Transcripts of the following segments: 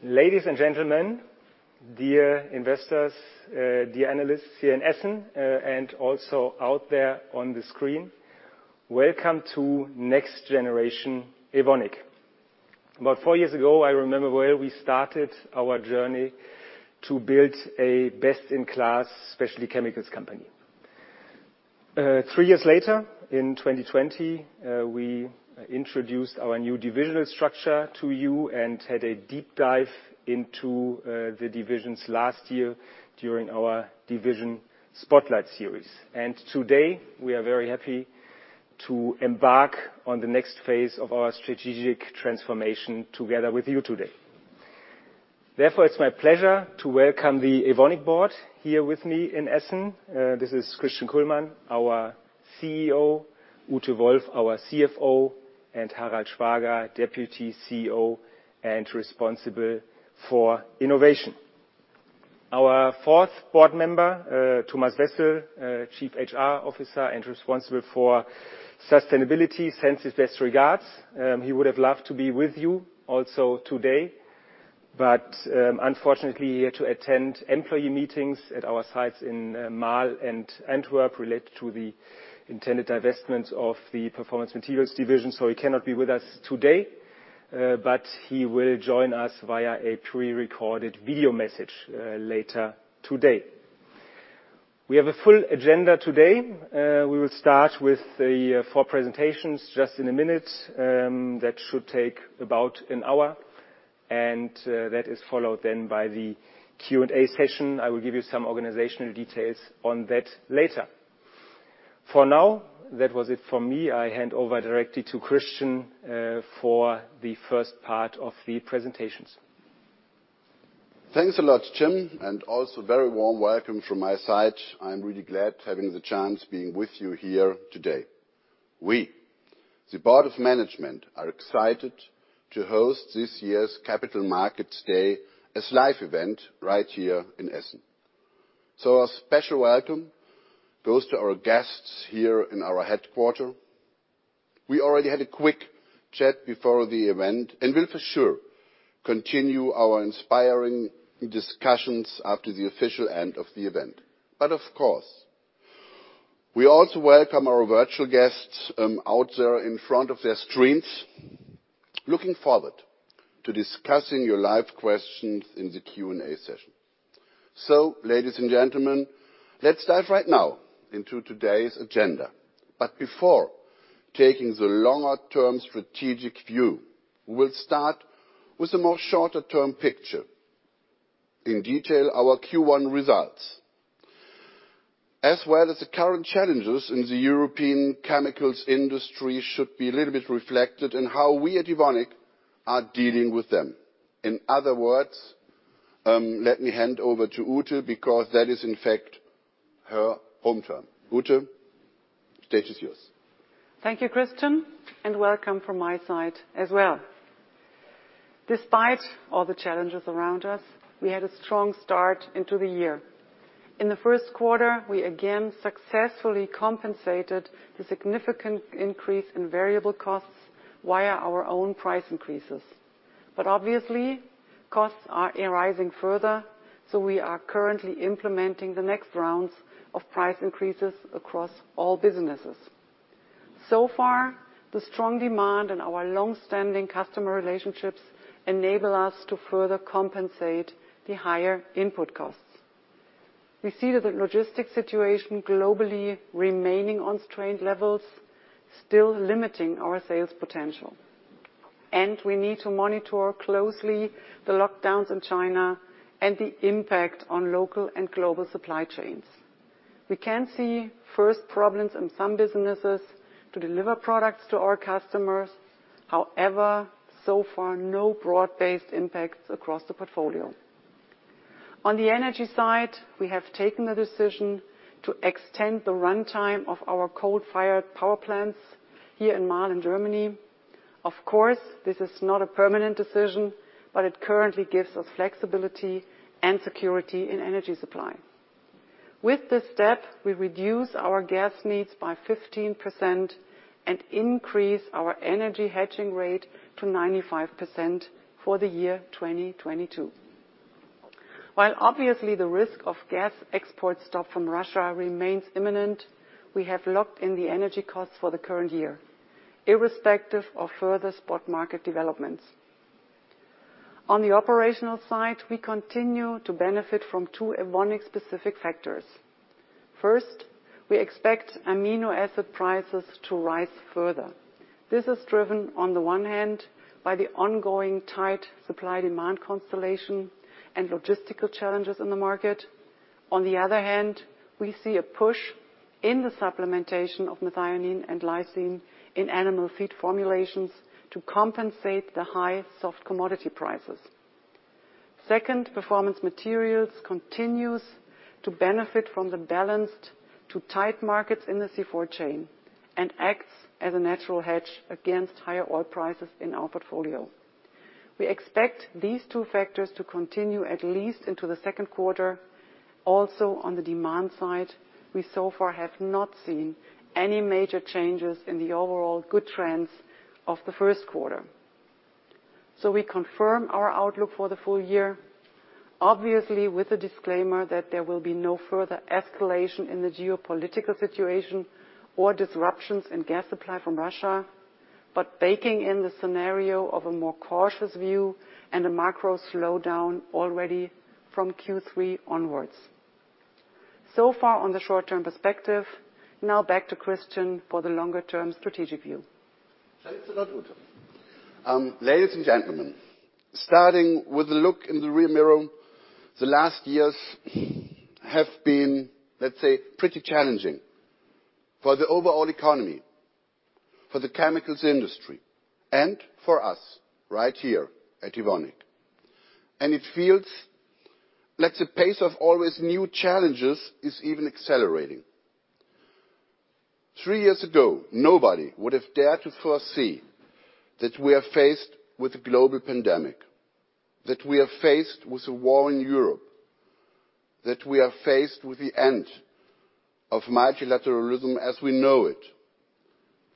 Ladies and gentlemen, dear investors, dear analysts here in Essen, and also out there on the screen, welcome to Next Generation Evonik. About four years ago, I remember well, we started our journey to build a best-in-class specialty chemicals company. Three years later, in 2020, we introduced our new divisional structure to you and had a deep dive into the divisions last year during our division spotlight series. Today, we are very happy to embark on the next phase of our strategic transformation together with you today. Therefore, it's my pleasure to welcome the Evonik board here with me in Essen. This is Christian Kullmann, our CEO, Ute Wolf, our CFO, and Harald Schwager, Deputy CEO and responsible for innovation. Our fourth board member, Thomas Wessel, Chief HR Officer and responsible for sustainability, sends his best regards. He would have loved to be with you also today, but unfortunately, he had to attend employee meetings at our sites in Marl and Antwerp related to the intended divestment of the Performance Materials division, so he cannot be with us today. He will join us via a prerecorded video message later today. We have a full agenda today. We will start with the four presentations just in a minute, that should take about an hour. That is followed then by the Q&A session. I will give you some organizational details on that later. For now, that was it from me. I hand over directly to Christian for the first part of the presentations. Thanks a lot, Tim, and also very warm welcome from my side. I'm really glad having the chance being with you here today. We, the board of management, are excited to host this year's Capital Markets Day as live event right here in Essen. A special welcome goes to our guests here in our headquarters. We already had a quick chat before the event and will for sure continue our inspiring discussions after the official end of the event. Of course, we also welcome our virtual guests out there in front of their screens, looking forward to discussing your live questions in the Q&A session. Ladies and gentlemen, let's dive right now into today's agenda. Before taking the longer term strategic view, we'll start with a more shorter term picture. In detail, our Q1 results, as well as the current challenges in the European chemicals industry should be a little bit reflected in how we at Evonik are dealing with them. In other words, let me hand over to Ute because that is in fact her home turf. Ute, stage is yours. Thank you, Christian, and welcome from my side as well. Despite all the challenges around us, we had a strong start into the year. In the first quarter, we again successfully compensated the significant increase in variable costs via our own price increases. Obviously, costs are arising further, so we are currently implementing the next rounds of price increases across all businesses. So far, the strong demand and our long-standing customer relationships enable us to further compensate the higher input costs. We see that the logistics situation globally remaining on strained levels still limiting our sales potential. We need to monitor closely the lockdowns in China and the impact on local and global supply chains. We can see first problems in some businesses to deliver products to our customers. However, so far, no broad-based impacts across the portfolio. On the energy side, we have taken the decision to extend the runtime of our coal-fired power plants here in Marl in Germany. Of course, this is not a permanent decision, but it currently gives us flexibility and security in energy supply. With this step, we reduce our gas needs by 15% and increase our energy hedging rate to 95% for the year 2022. While obviously the risk of gas export stop from Russia remains imminent, we have locked in the energy costs for the current year, irrespective of further spot market developments. On the operational side, we continue to benefit from two Evonik specific factors. First, we expect amino acid prices to rise further. This is driven on the one hand by the ongoing tight supply-demand constellation and logistical challenges in the market. On the other hand, we see a push in the supplementation of methionine and lysine in animal feed formulations to compensate the high soft commodity prices. Second, Performance Materials continues to benefit from the balanced to tight markets in the C4 chain and acts as a natural hedge against higher oil prices in our portfolio. We expect these two factors to continue at least into the second quarter. Also, on the demand side, we so far have not seen any major changes in the overall good trends of the first quarter. We confirm our outlook for the full year. Obviously, with the disclaimer that there will be no further escalation in the geopolitical situation or disruptions in gas supply from Russia, but baking in the scenario of a more cautious view and a macro slowdown already from Q3 onwards. So far on the short-term perspective, now back to Christian for the longer-term strategic view. Thank you so much, Ute. Ladies and gentlemen, starting with the look in the rear mirror, the last years have been, let's say, pretty challenging for the overall economy, for the chemicals industry, and for us right here at Evonik. It feels like the pace of all these new challenges is even accelerating. Three years ago, nobody would have dared to foresee that we are faced with a global pandemic, that we are faced with a war in Europe, that we are faced with the end of multilateralism as we know it,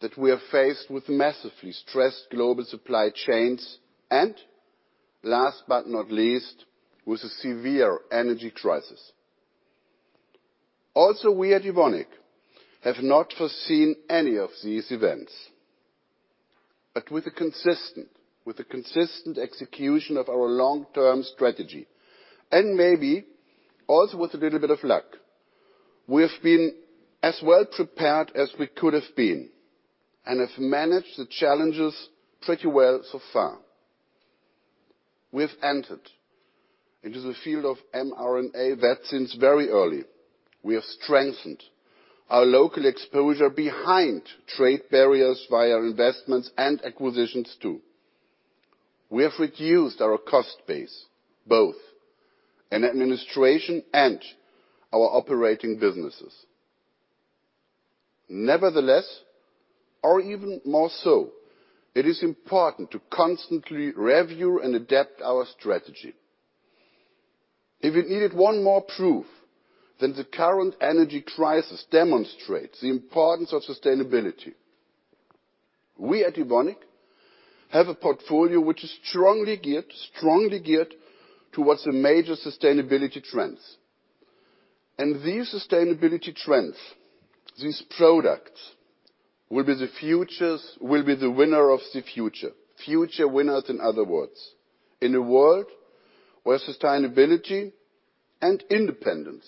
that we are faced with massively stressed global supply chains, and last but not least, with a severe energy crisis. Also, we at Evonik have not foreseen any of these events. With a consistent execution of our long-term strategy, and maybe also with a little bit of luck, we have been as well prepared as we could have been and have managed the challenges pretty well so far. We've entered into the field of mRNA vaccines very early. We have strengthened our local exposure behind trade barriers via investments and acquisitions too. We have reduced our cost base, both in administration and our operating businesses. Nevertheless, or even more so, it is important to constantly review and adapt our strategy. If we needed one more proof, then the current energy crisis demonstrates the importance of sustainability. We at Evonik have a portfolio which is strongly geared towards the major sustainability trends. These sustainability trends, these products will be the winner of the future. Future winners, in other words, in a world where sustainability and independence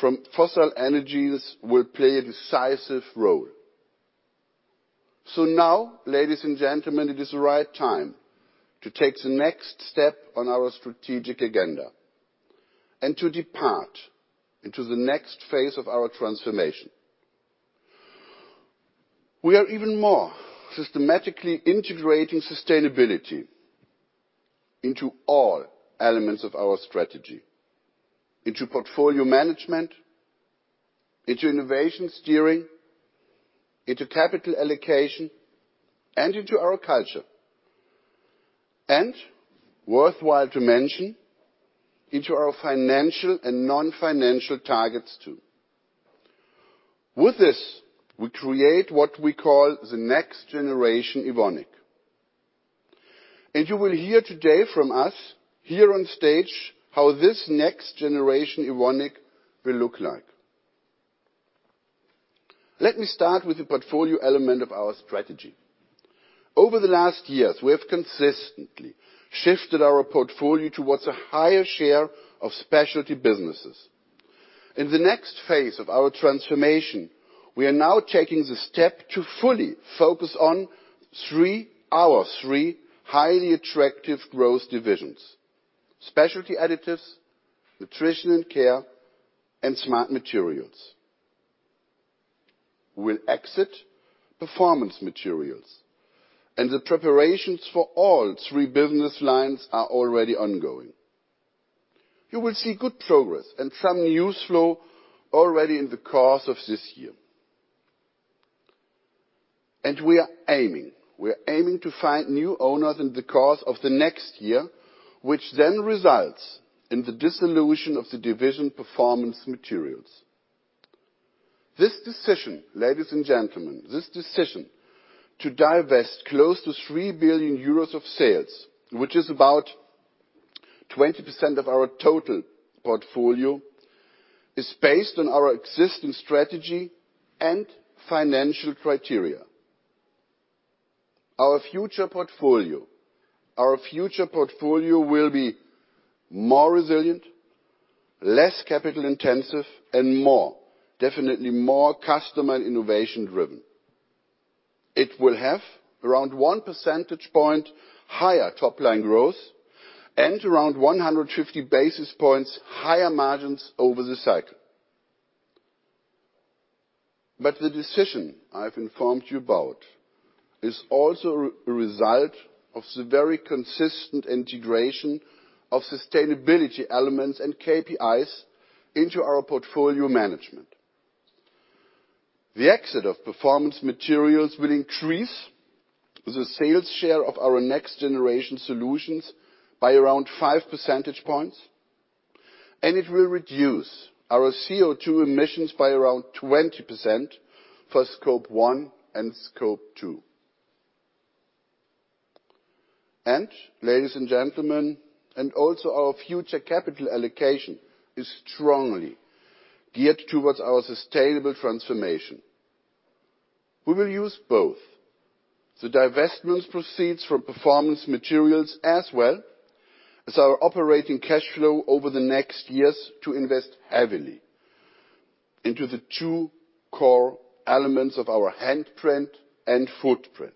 from fossil energies will play a decisive role. Now, ladies and gentlemen, it is the right time to take the next step on our strategic agenda and to depart into the next phase of our transformation. We are even more systematically integrating sustainability into all elements of our strategy, into portfolio management, into innovation steering, into capital allocation, and into our culture, and worthwhile to mention, into our financial and non-financial targets too. With this, we create what we call the Next Generation Evonik. You will hear today from us here on stage how this Next Generation Evonik will look like. Let me start with the portfolio element of our strategy. Over the last years, we have consistently shifted our portfolio towards a higher share of specialty businesses. In the next phase of our transformation, we are now taking the step to fully focus on three, our three highly attractive growth divisions: Specialty Additives, Nutrition & Care, and Smart Materials. We'll exit Performance Materials, and the preparations for all three business lines are already ongoing. You will see good progress and some news flow already in the course of this year. We are aiming to find new owners in the course of the next year, which then results in the dissolution of the division Performance Materials. This decision, ladies and gentlemen, this decision to divest close to 3 billion euros of sales, which is about 20% of our total portfolio, is based on our existing strategy and financial criteria. Our future portfolio will be more resilient, less capital-intensive, and more, definitely more customer and innovation-driven. It will have around one percentage point higher top-line growth and around 150 basis points higher margins over the cycle. The decision I've informed you about is also a result of the very consistent integration of sustainability elements and KPIs into our portfolio management. The exit of Performance Materials will increase the sales share of our Next Generation Solutions by around five percentage points, and it will reduce our CO2 emissions by around 20% for Scope 1 and Scope 2. Ladies and gentlemen, and also our future capital allocation is strongly geared towards our sustainable transformation. We will use both the divestment proceeds from Performance Materials as well as our operating cash flow over the next years to invest heavily into the two core elements of our handprint and footprint.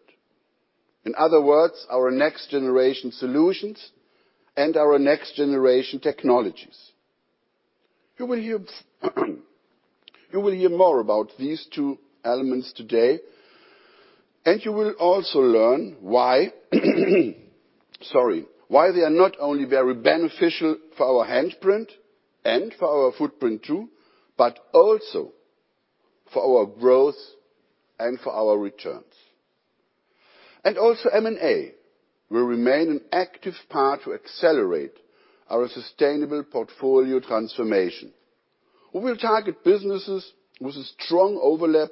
In other words, our Next Generation Solutions and our Next Generation Technologies. You will hear more about these two elements today, and you will also learn why they are not only very beneficial for our handprint and for our footprint too, but also for our growth and for our returns. M&A will remain an active part to accelerate our sustainable portfolio transformation. We will target businesses with a strong overlap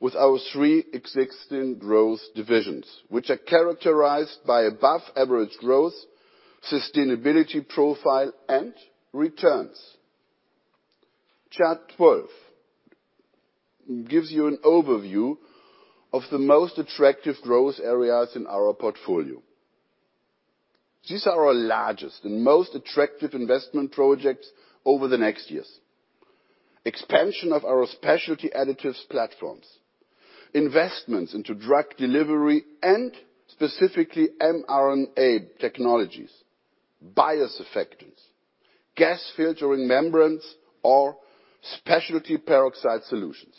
with our three existing growth divisions, which are characterized by above average growth, sustainability profile and returns. Chart 12 gives you an overview of the most attractive growth areas in our portfolio. These are our largest and most attractive investment projects over the next years. Expansion of our Specialty Additives platforms, investments into drug delivery and specifically mRNA technologies, biosurfactants, gas filtering membranes or specialty peroxide solutions.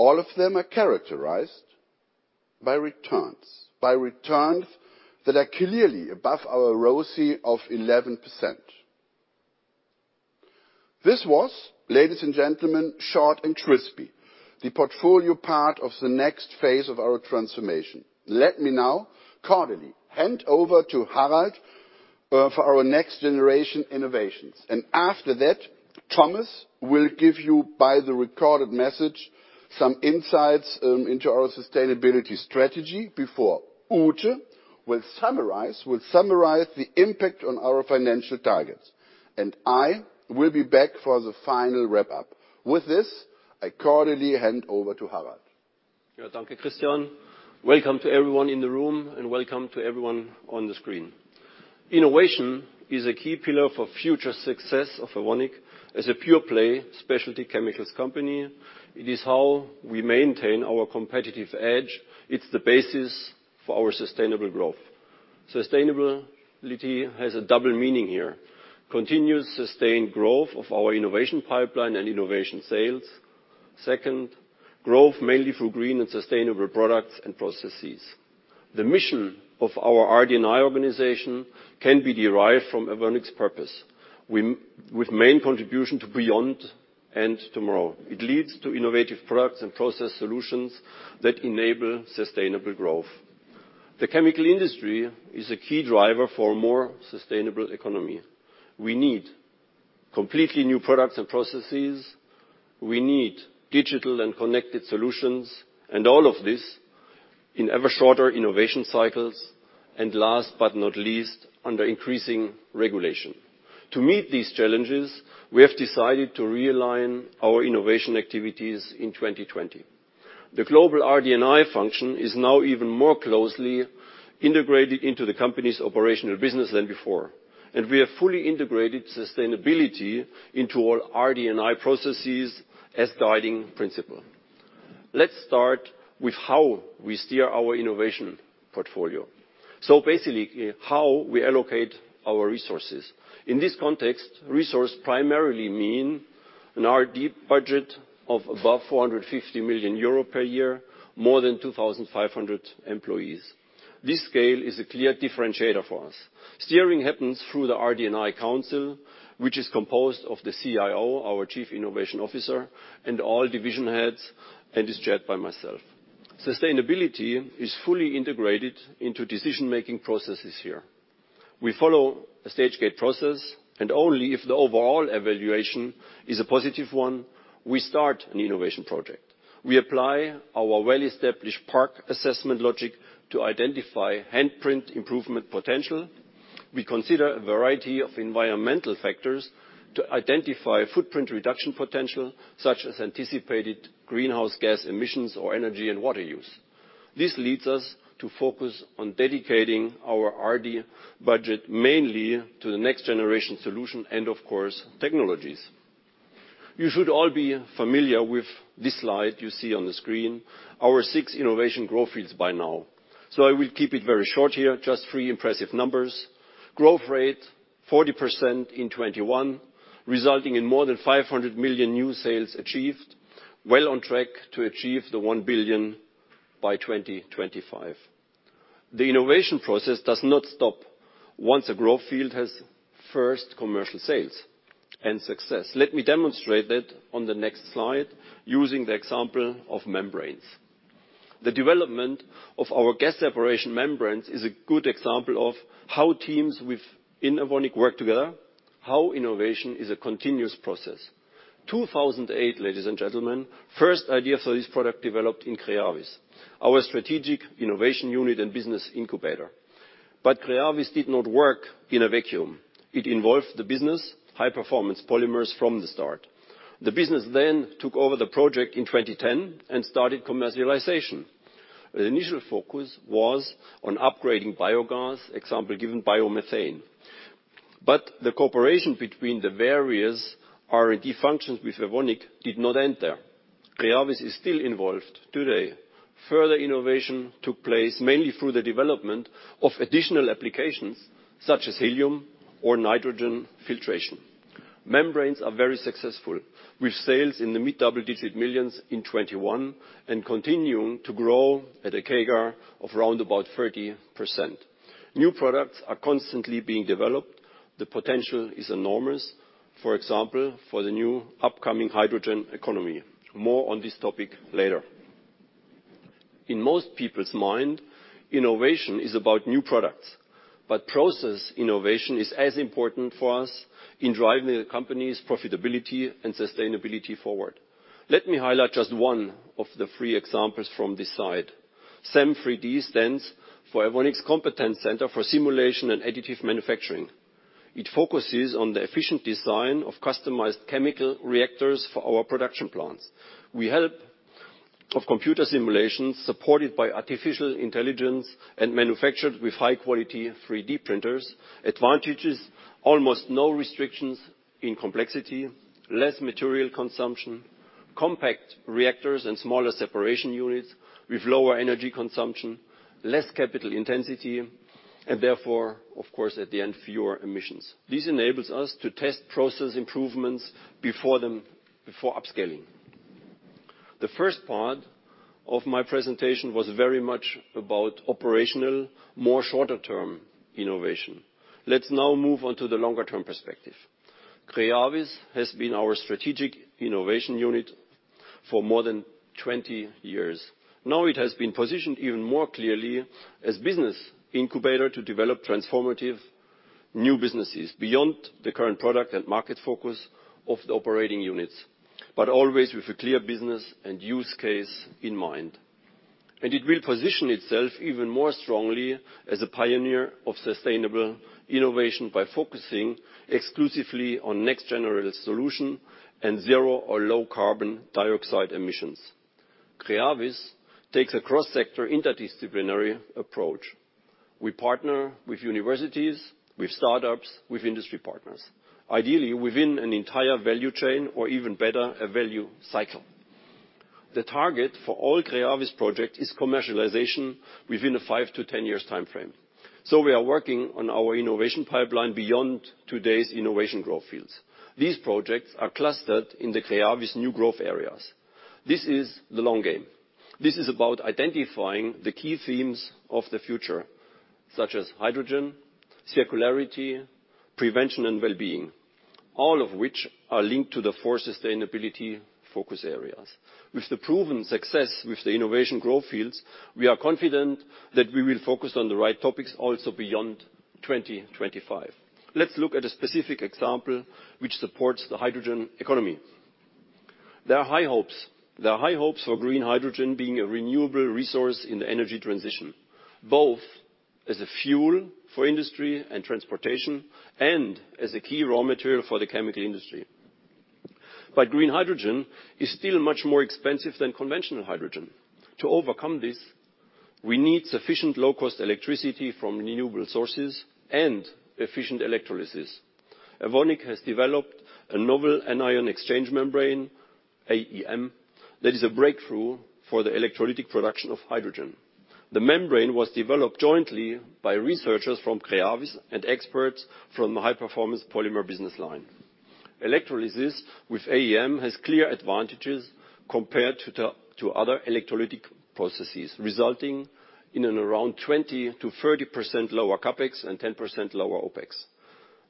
All of them are characterized by returns, by returns that are clearly above our ROCE of 11%. This was, ladies and gentlemen, short and crisp, the portfolio part of the next phase of our transformation. Let me now cordially hand over to Harald for our Next Generation innovations, and after that, Thomas will give you, by the recorded message, some insights into our sustainability strategy before Ute will summarize the impact on our financial targets. I will be back for the final wrap up. With this, I cordially hand over to Harald. Danke, Christian. Welcome to everyone in the room and welcome to everyone on the screen. Innovation is a key pillar for future success of Evonik as a pure play specialty chemicals company. It is how we maintain our competitive edge. It's the basis for our sustainable growth. Sustainability has a double meaning here. Continuous sustained growth of our innovation pipeline and innovation sales. Second, growth mainly through green and sustainable products and processes. The mission of our RD&I organization can be derived from Evonik's purpose, with main contribution to beyond and tomorrow. It leads to innovative products and process solutions that enable sustainable growth. The chemical industry is a key driver for more sustainable economy. We need completely new products and processes. We need digital and connected solutions, and all of this in ever shorter innovation cycles, and last but not least, under increasing regulation. To meet these challenges, we have decided to realign our innovation activities in 2020. The global RD&I function is now even more closely integrated into the company's operational business than before. We have fully integrated sustainability into all RD&I processes as guiding principle. Let's start with how we steer our innovation portfolio. Basically, how we allocate our resources. In this context, resource primarily mean an R&D budget of above 450 million euro per year, more than 2,500 employees. This scale is a clear differentiator for us. Steering happens through the RD&I council, which is composed of the CIO, our Chief Innovation Officer, and all division heads, and is chaired by myself. Sustainability is fully integrated into decision-making processes here. We follow a stage gate process and only if the overall evaluation is a positive one, we start an innovation project. We apply our well-established PARC assessment logic to identify handprint improvement potential. We consider a variety of environmental factors to identify footprint reduction potential, such as anticipated greenhouse gas emissions or energy and water use. This leads us to focus on dedicating our R&D budget mainly to Next Generation Solutions and, of course, Next Generation Technologies. You should all be familiar with this slide you see on the screen, our six innovation growth fields by now. I will keep it very short here, just three impressive numbers. Growth rate 40% in 2021, resulting in more than 500 million new sales achieved, well on track to achieve 1 billion by 2025. The innovation process does not stop once a growth field has first commercial sales and success. Let me demonstrate that on the next slide using the example of membranes. The development of our gas separation membranes is a good example of how teams within Evonik work together, how innovation is a continuous process. 2008, ladies and gentlemen, first idea for this product developed in Creavis, our strategic innovation unit and business incubator. Creavis did not work in a vacuum. It involved the business High Performance Polymers from the start. The business then took over the project in 2010 and started commercialization. The initial focus was on upgrading biogas, for example, biomethane. The cooperation between the various R&D functions within Evonik did not end there. Creavis is still involved today. Further innovation took place mainly through the development of additional applications, such as helium or nitrogen filtration. Membranes are very successful, with sales in the mid-double-digit millions in 2021 and continuing to grow at a CAGR of around 30%. New products are constantly being developed. The potential is enormous, for example, for the new upcoming hydrogen economy. More on this topic later. In most people's mind, innovation is about new products. Process innovation is as important for us in driving the company's profitability and sustainability forward. Let me highlight just one of the three examples from this side. SAM 3D stands for Evonik's Competence Center for Simulation and Additive Manufacturing. It focuses on the efficient design of customized chemical reactors for our production plants. They are designed using computer simulations supported by artificial intelligence and manufactured with high-quality 3D printers. Advantages, almost no restrictions in complexity, less material consumption, compact reactors and smaller separation units with lower energy consumption, less capital intensity, and therefore, of course, at the end, fewer emissions. This enables us to test process improvements before upscaling. The first part of my presentation was very much about operational, more shorter term innovation. Let's now move on to the longer term perspective. Creavis has been our strategic innovation unit for more than 20 years. Now it has been positioned even more clearly as business incubator to develop transformative new businesses beyond the current product and market focus of the operating units. Always with a clear business and use case in mind. It will position itself even more strongly as a pioneer of sustainable innovation by focusing exclusively on next generation solution and zero or low carbon dioxide emissions. Creavis takes a cross-sector interdisciplinary approach. We partner with universities, with startups, with industry partners, ideally within an entire value chain or even better, a value cycle. The target for all Creavis project is commercialization within a five to 10 years timeframe. We are working on our innovation pipeline beyond today's innovation growth fields. These projects are clustered in the Creavis new growth areas. This is the long game. This is about identifying the key themes of the future, such as hydrogen, circularity, prevention, and well-being, all of which are linked to the four sustainability focus areas. With the proven success with the innovation growth fields, we are confident that we will focus on the right topics also beyond 2025. Let's look at a specific example which supports the hydrogen economy. There are high hopes for green hydrogen being a renewable resource in the energy transition, both as a fuel for industry and transportation, and as a key raw material for the chemical industry. Green hydrogen is still much more expensive than conventional hydrogen. To overcome this, we need sufficient low cost electricity from renewable sources and efficient electrolysis. Evonik has developed a novel anion exchange membrane, AEM, that is a breakthrough for the electrolytic production of hydrogen. The membrane was developed jointly by researchers from Creavis and experts from the High Performance Polymers business line. Electrolysis with AEM has clear advantages compared to other electrolytic processes, resulting in around 20%-30% lower CapEx and 10% lower OpEx.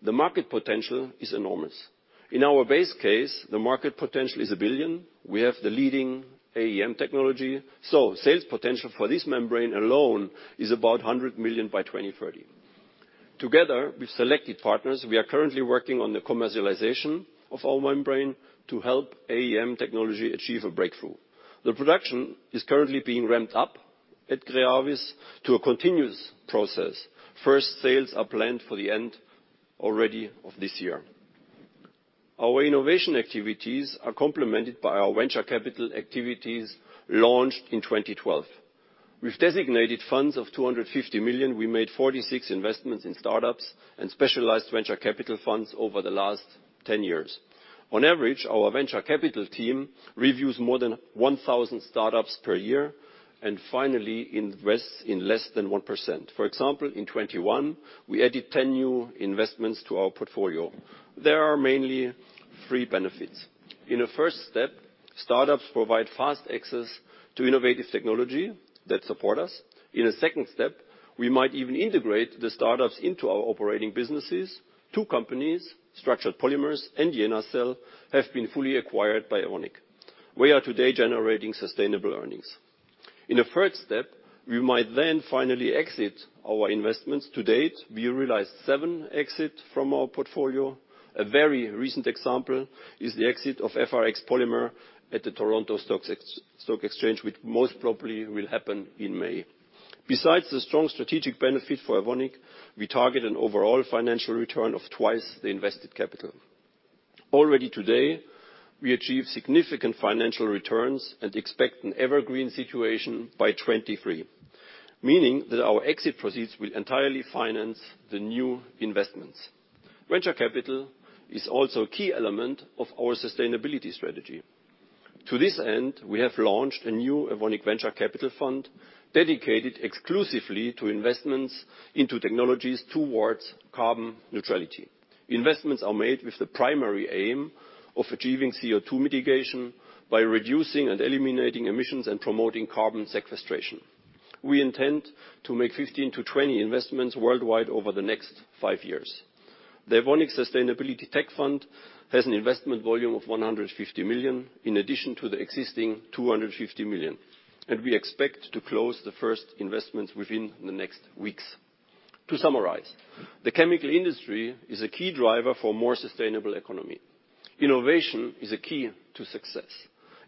The market potential is enormous. In our base case, the market potential is 1 billion. We have the leading AEM technology, so sales potential for this membrane alone is about 100 million by 2030. Together with selected partners, we are currently working on the commercialization of our membrane to help AEM technology achieve a breakthrough. The production is currently being ramped up at Creavis to a continuous process. First sales are planned for the end already of this year. Our innovation activities are complemented by our venture capital activities launched in 2012. With designated funds of 250 million, we made 46 investments in startups and specialized venture capital funds over the last ten years. On average, our venture capital team reviews more than 1,000 startups per year, and finally invests in less than 1%. For example, in 2021, we added 10 new investments to our portfolio. There are mainly three benefits. In a first step, startups provide fast access to innovative technology that support us. In a second step, we might even integrate the startups into our operating businesses. Two companies, Structured Polymers and JeNaCell, have been fully acquired by Evonik. We are today generating sustainable earnings. In a third step, we might then finally exit our investments. To date, we realized seven exits from our portfolio. A very recent example is the exit of FRX Polymers at the TSX Venture Exchange, which most probably will happen in May. Besides the strong strategic benefit for Evonik, we target an overall financial return of twice the invested capital. Already today, we achieve significant financial returns and expect an evergreen situation by 2023. Meaning that our exit proceeds will entirely finance the new investments. Venture capital is also a key element of our sustainability strategy. To this end, we have launched a new Evonik venture capital fund dedicated exclusively to investments into technologies towards carbon neutrality. Investments are made with the primary aim of achieving CO2 mitigation by reducing and eliminating emissions and promoting carbon sequestration. We intend to make 15-20 investments worldwide over the next five years. The Evonik Sustainability Tech Fund has an investment volume of 150 million in addition to the existing 250 million, and we expect to close the first investments within the next weeks. To summarize, the chemical industry is a key driver for more sustainable economy. Innovation is a key to success.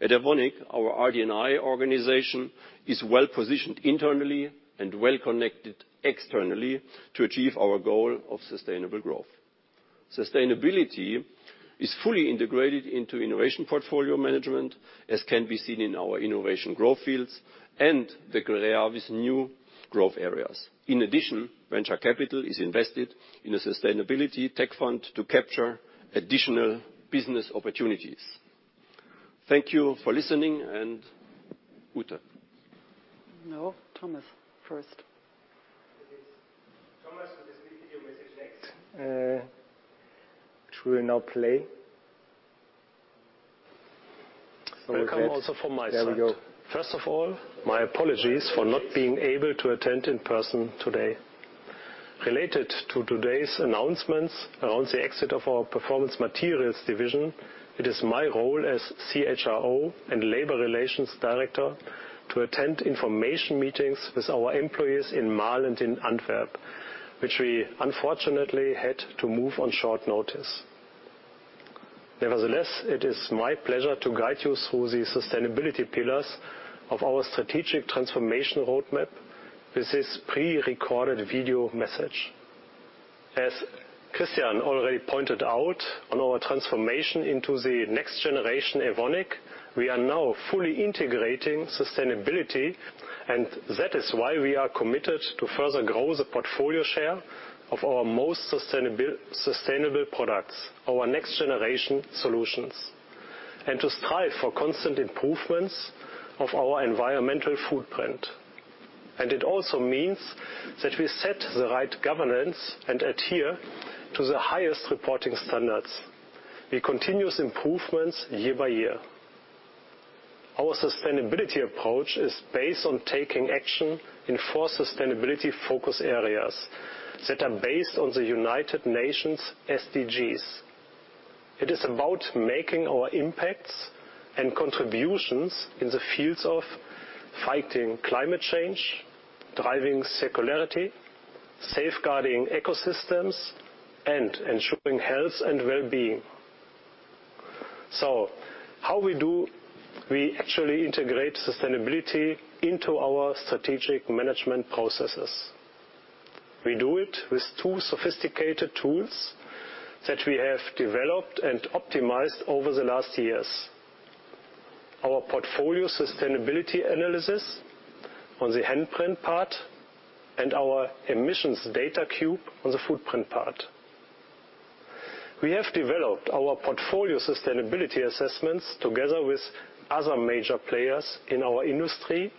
At Evonik, our RD&I organization is well-positioned internally and well-connected externally to achieve our goal of sustainable growth. Sustainability is fully integrated into innovation portfolio management, as can be seen in our innovation growth fields and the Creavis new growth areas. In addition, venture capital is invested in a sustainability tech fund to capture additional business opportunities. Thank you for listening, and Ute. No, Thomas first. Thomas will be video message next, which will now play. Like that. There we go. Welcome also from my side. First of all, my apologies for not being able to attend in person today. Related to today's announcements around the exit of our Performance Materials division, it is my role as CHRO and labor relations director to attend information meetings with our employees in Marl and in Antwerp, which we unfortunately had to move on short notice. Nevertheless, it is my pleasure to guide you through the sustainability pillars of our strategic transformation roadmap with this prerecorded video message. As Christian already pointed out on our transformation into the Next Generation Evonik, we are now fully integrating sustainability, and that is why we are committed to further grow the portfolio share of our most sustainable products, our Next Generation Solutions, and to strive for constant improvements of our environmental footprint. It also means that we set the right governance and adhere to the highest reporting standards with continuous improvements year by year. Our sustainability approach is based on taking action in four sustainability focus areas that are based on the United Nations SDGs. It is about making our impacts and contributions in the fields of fighting climate change, driving circularity, safeguarding ecosystems, and ensuring health and wellbeing. How do we actually integrate sustainability into our strategic management processes? We do it with two sophisticated tools that we have developed and optimized over the last years. Our portfolio sustainability analysis on the handprint part and our Emissions Data Cube on the footprint part. We have developed our portfolio sustainability assessments together with other major players in our industry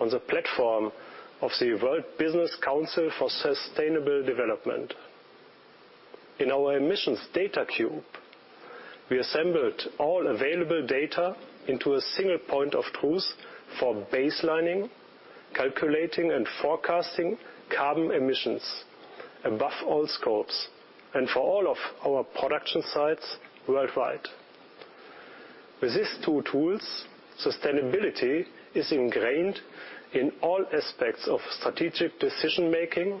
on the platform of the World Business Council for Sustainable Development. In our Emissions Data Cube, we assembled all available data into a single point of truth for baselining, calculating, and forecasting carbon emissions above all scopes and for all of our production sites worldwide. With these two tools, sustainability is ingrained in all aspects of strategic decision-making,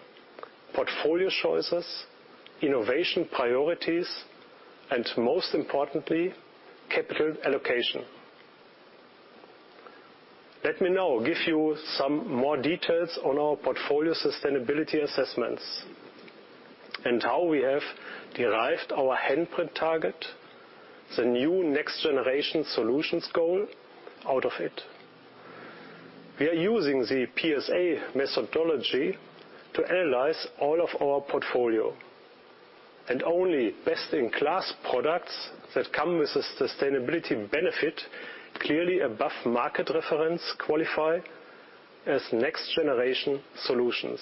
portfolio choices, innovation priorities, and most importantly, capital allocation. Let me now give you some more details on our portfolio sustainability assessments and how we have derived our handprint target, the new Next Generation Solutions goal out of it. We are using the PSA methodology to analyze all of our portfolio. Only best-in-class products that come with a sustainability benefit clearly above market reference qualify as Next Generation Solutions.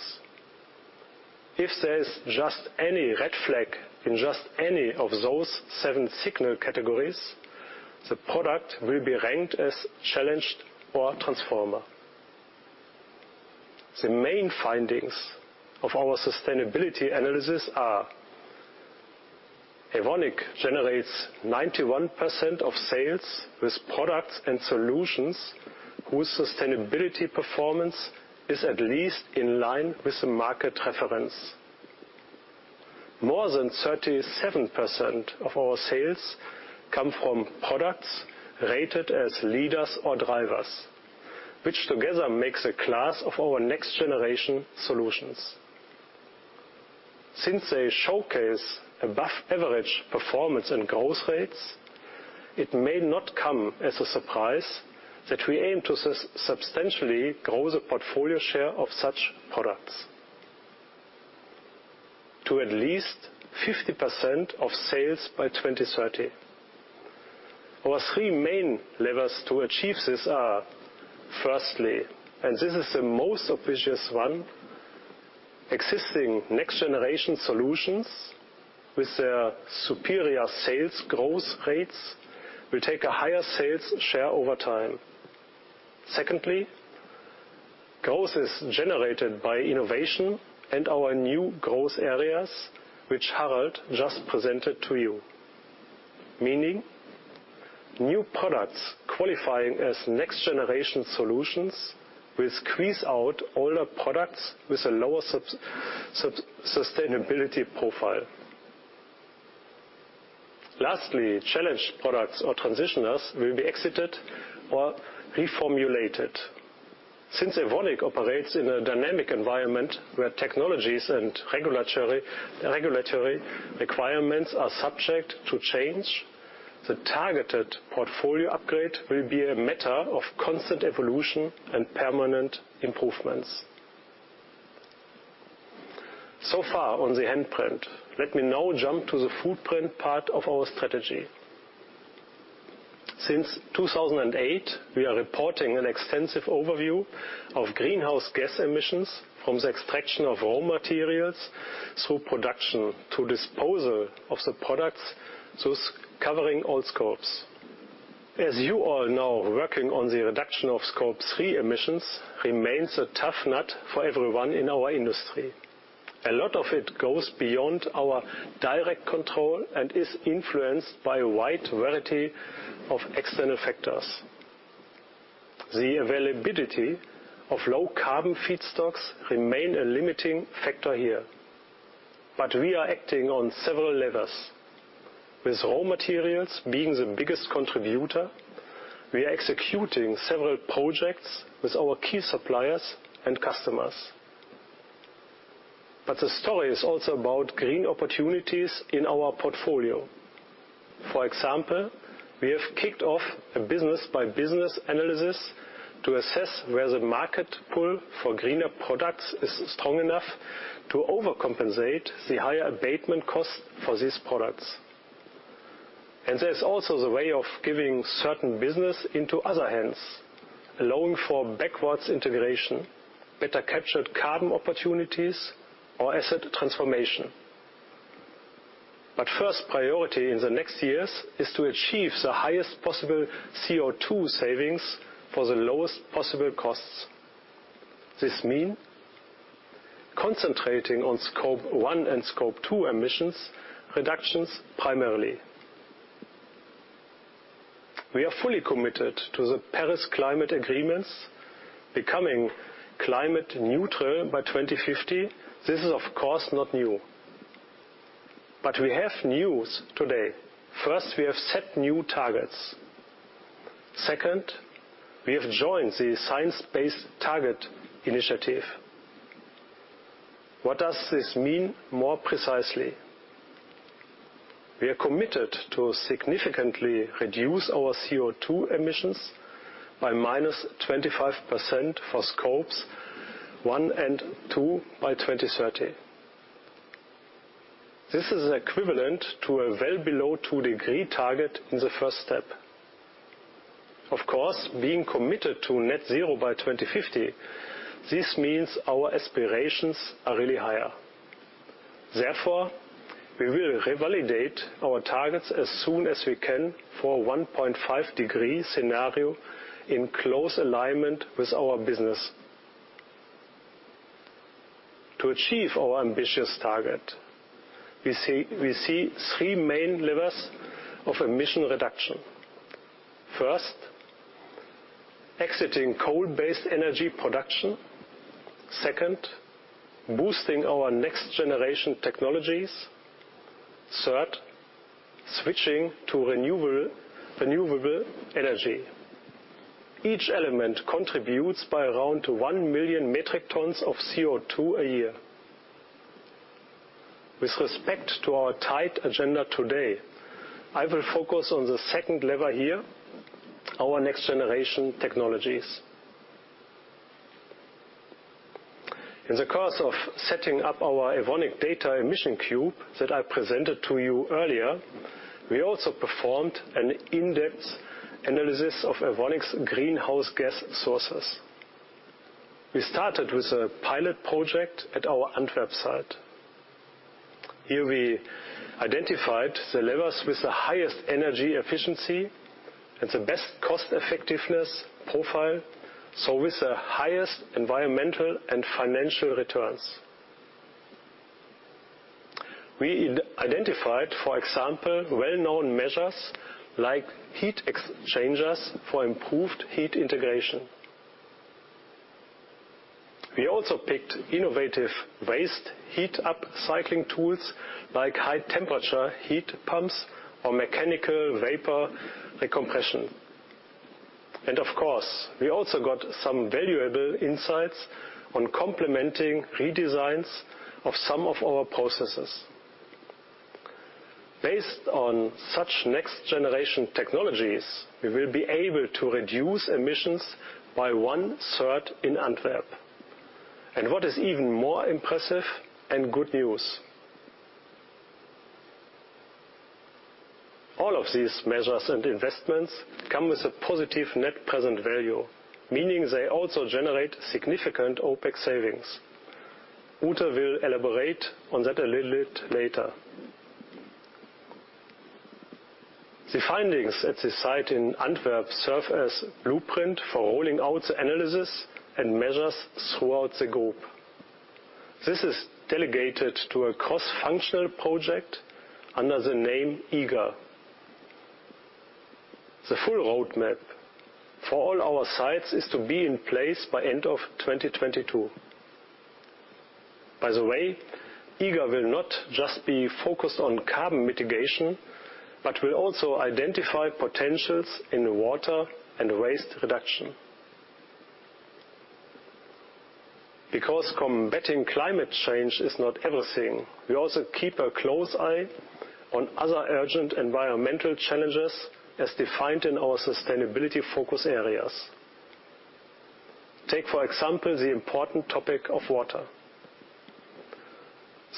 If there is just any red flag in just any of those seven signal categories, the product will be ranked as challenged or transformer. The main findings of our sustainability analysis are. Evonik generates 91% of sales with products and solutions whose sustainability performance is at least in line with the market reference. More than 37% of our sales come from products rated as leaders or drivers, which together makes a class of our Next Generation Solutions. Since they showcase above average performance and growth rates, it may not come as a surprise that we aim to substantially grow the portfolio share of such products to at least 50% of sales by 2030. Our three main levers to achieve this are, firstly, and this is the most obvious one, existing Next Generation Solutions with their superior sales growth rates will take a higher sales share over time. Secondly, growth is generated by innovation and our new growth areas, which Harald just presented to you. Meaning new products qualifying as Next Generation Solutions will squeeze out older products with a lower sustainability profile. Lastly, challenged products or transitioners will be exited or reformulated. Since Evonik operates in a dynamic environment where technologies and regulatory requirements are subject to change, the targeted portfolio upgrade will be a matter of constant evolution and permanent improvements. So far on the handprint, let me now jump to the footprint part of our strategy. Since 2008, we are reporting an extensive overview of greenhouse gas emissions from the extraction of raw materials through production to disposal of the products, thus covering all scopes. As you all know, working on the reduction of Scope 3 emissions remains a tough nut for everyone in our industry. A lot of it goes beyond our direct control and is influenced by a wide variety of external factors. The availability of low carbon feedstocks remain a limiting factor here. We are acting on several levers. With raw materials being the biggest contributor, we are executing several projects with our key suppliers and customers. The story is also about green opportunities in our portfolio. For example, we have kicked off a business by business analysis to assess where the market pull for greener products is strong enough to overcompensate the higher abatement cost for these products. There's also the way of giving certain business into other hands, allowing for backwards integration, better captured carbon opportunities or asset transformation. First priority in the next years is to achieve the highest possible CO2 savings for the lowest possible costs. This mean concentrating on Scope 1 and Scope 2 emissions reductions primarily. We are fully committed to the Paris Agreement, becoming climate neutral by 2050. This is of course not new, but we have news today. First, we have set new targets. Second, we have joined the Science Based Targets initiative. What does this mean more precisely? We are committed to significantly reduce our CO2 emissions by -25% for Scope 1 and Scope 2 by 2030. This is equivalent to a well below two-degree target in the first step. Of course, being committed to net zero by 2050, this means our aspirations are really higher. Therefore, we will revalidate our targets as soon as we can for 1.5-degree scenario in close alignment with our business. To achieve our ambitious target, we see three main levers of emission reduction. First, exiting coal-based energy production. Second, boosting our Next Generation Technologies. Third, switching to renewable energy. Each element contributes by around 1 million metric tons of CO2 a year. With respect to our tight agenda today, I will focus on the second lever here, our Next Generation Technologies. In the course of setting up our Emissions Data Cube that I presented to you earlier, we also performed an in-depth analysis of Evonik's greenhouse gas sources. We started with a pilot project at our Antwerp site. Here, we identified the levels with the highest energy efficiency and the best cost effectiveness profile, so with the highest environmental and financial returns. We identified, for example, well-known measures like heat exchangers for improved heat integration. We also picked innovative waste heat upcycling tools like high temperature heat pumps or mechanical vapor recompression. Of course, we also got some valuable insights on complementing redesigns of some of our processes. Based on such Next Generation Technologies, we will be able to reduce emissions by 1/3 in Antwerp. What is even more impressive and good news, all of these measures and investments come with a positive net present value, meaning they also generate significant OpEx savings. Ute will elaborate on that a little bit later. The findings at the site in Antwerp serve as blueprint for rolling out analysis and measures throughout the group. This is delegated to a cross-functional project under the name EAGER. The full roadmap for all our sites is to be in place by end of 2022. By the way, EAGER will not just be focused on carbon mitigation, but will also identify potentials in water and waste reduction. Because combating climate change is not everything, we also keep a close eye on other urgent environmental challenges as defined in our sustainability focus areas. Take, for example, the important topic of water.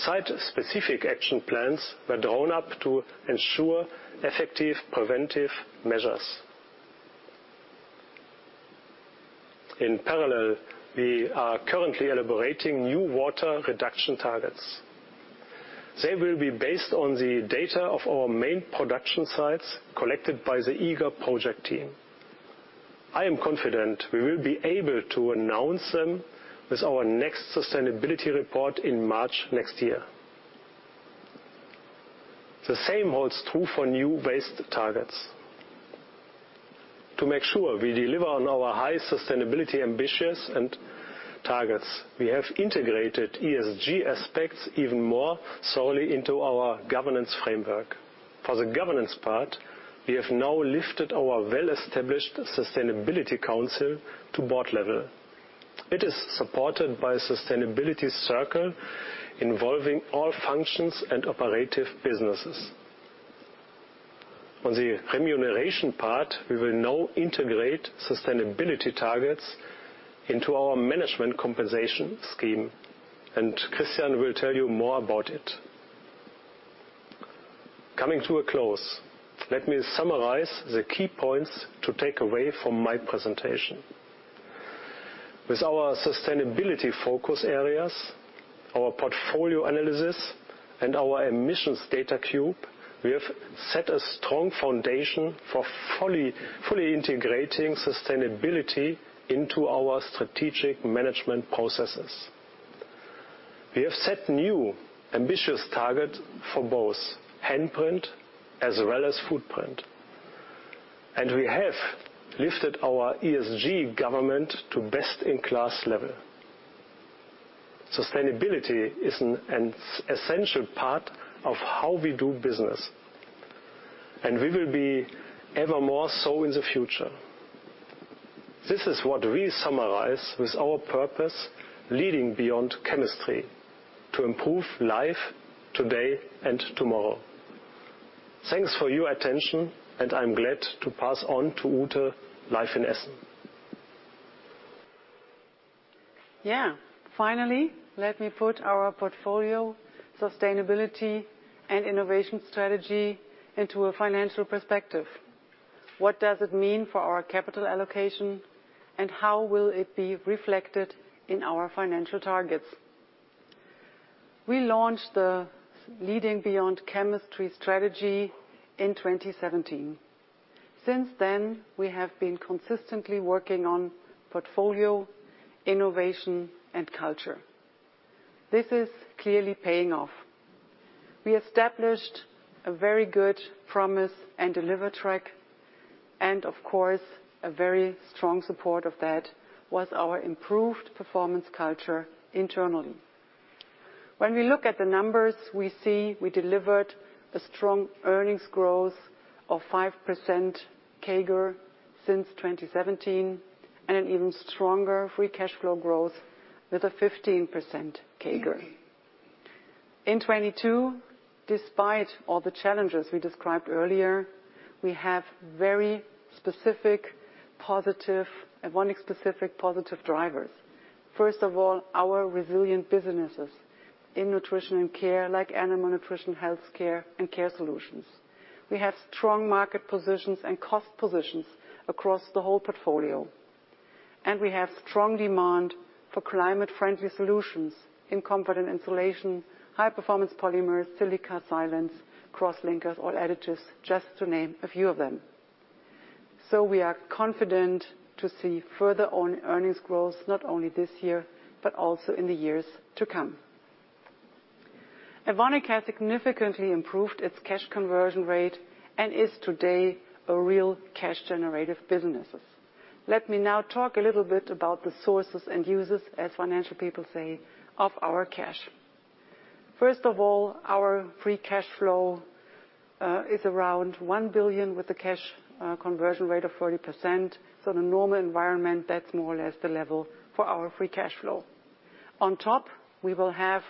Site-specific action plans were drawn up to ensure effective preventive measures. In parallel, we are currently elaborating new water reduction targets. They will be based on the data of our main production sites collected by the EAGER project team. I am confident we will be able to announce them with our next sustainability report in March next year. The same holds true for new waste targets. To make sure we deliver on our high sustainability ambitions and targets, we have integrated ESG aspects even more closely into our governance framework. For the governance part, we have now lifted our well-established sustainability council to board level. It is supported by sustainability circle involving all functions and operative businesses. On the remuneration part, we will now integrate sustainability targets into our management compensation scheme, and Christian will tell you more about it. Coming to a close, let me summarize the key points to take away from my presentation. With our sustainability focus areas, our portfolio analysis, and our Emissions Data Cube, we have set a strong foundation for fully integrating sustainability into our strategic management processes. We have set new ambitious target for both handprint as well as footprint, and we have lifted our ESG governance to best-in-class level. Sustainability is an essential part of how we do business, and we will be ever more so in the future. This is what we summarize with our purpose Leading Beyond Chemistry to improve life today and tomorrow. Thanks for your attention, and I'm glad to pass on to Ute live in Essen. Yeah. Finally, let me put our portfolio, sustainability, and innovation strategy into a financial perspective. What does it mean for our capital allocation, and how will it be reflected in our financial targets? We launched the Leading Beyond Chemistry strategy in 2017. Since then, we have been consistently working on portfolio, innovation, and culture. This is clearly paying off. We established a very good promise and deliver track and, of course, a very strong support of that was our improved performance culture internally. When we look at the numbers, we see we delivered a strong earnings growth of 5% CAGR since 2017, and an even stronger free cash flow growth with a 15% CAGR. In 2022, despite all the challenges we described earlier, we have very specific positive, Evonik specific positive drivers. First of all, our resilient businesses in Nutrition & Care, like animal nutrition, healthcare, and Care Solutions. We have strong market positions and cost positions across the whole portfolio, and we have strong demand for climate-friendly solutions in component insulation, High Performance Polymers, silica silanes, crosslinkers or additives, just to name a few of them. We are confident to see further on earnings growth, not only this year, but also in the years to come. Evonik has significantly improved its cash conversion rate and is today a real cash generative businesses. Let me now talk a little bit about the sources and uses, as financial people say, of our cash. First of all, our free cash flow is around 1 billion with the cash conversion rate of 40%. In a normal environment, that's more or less the level for our free cash flow. On top, we will have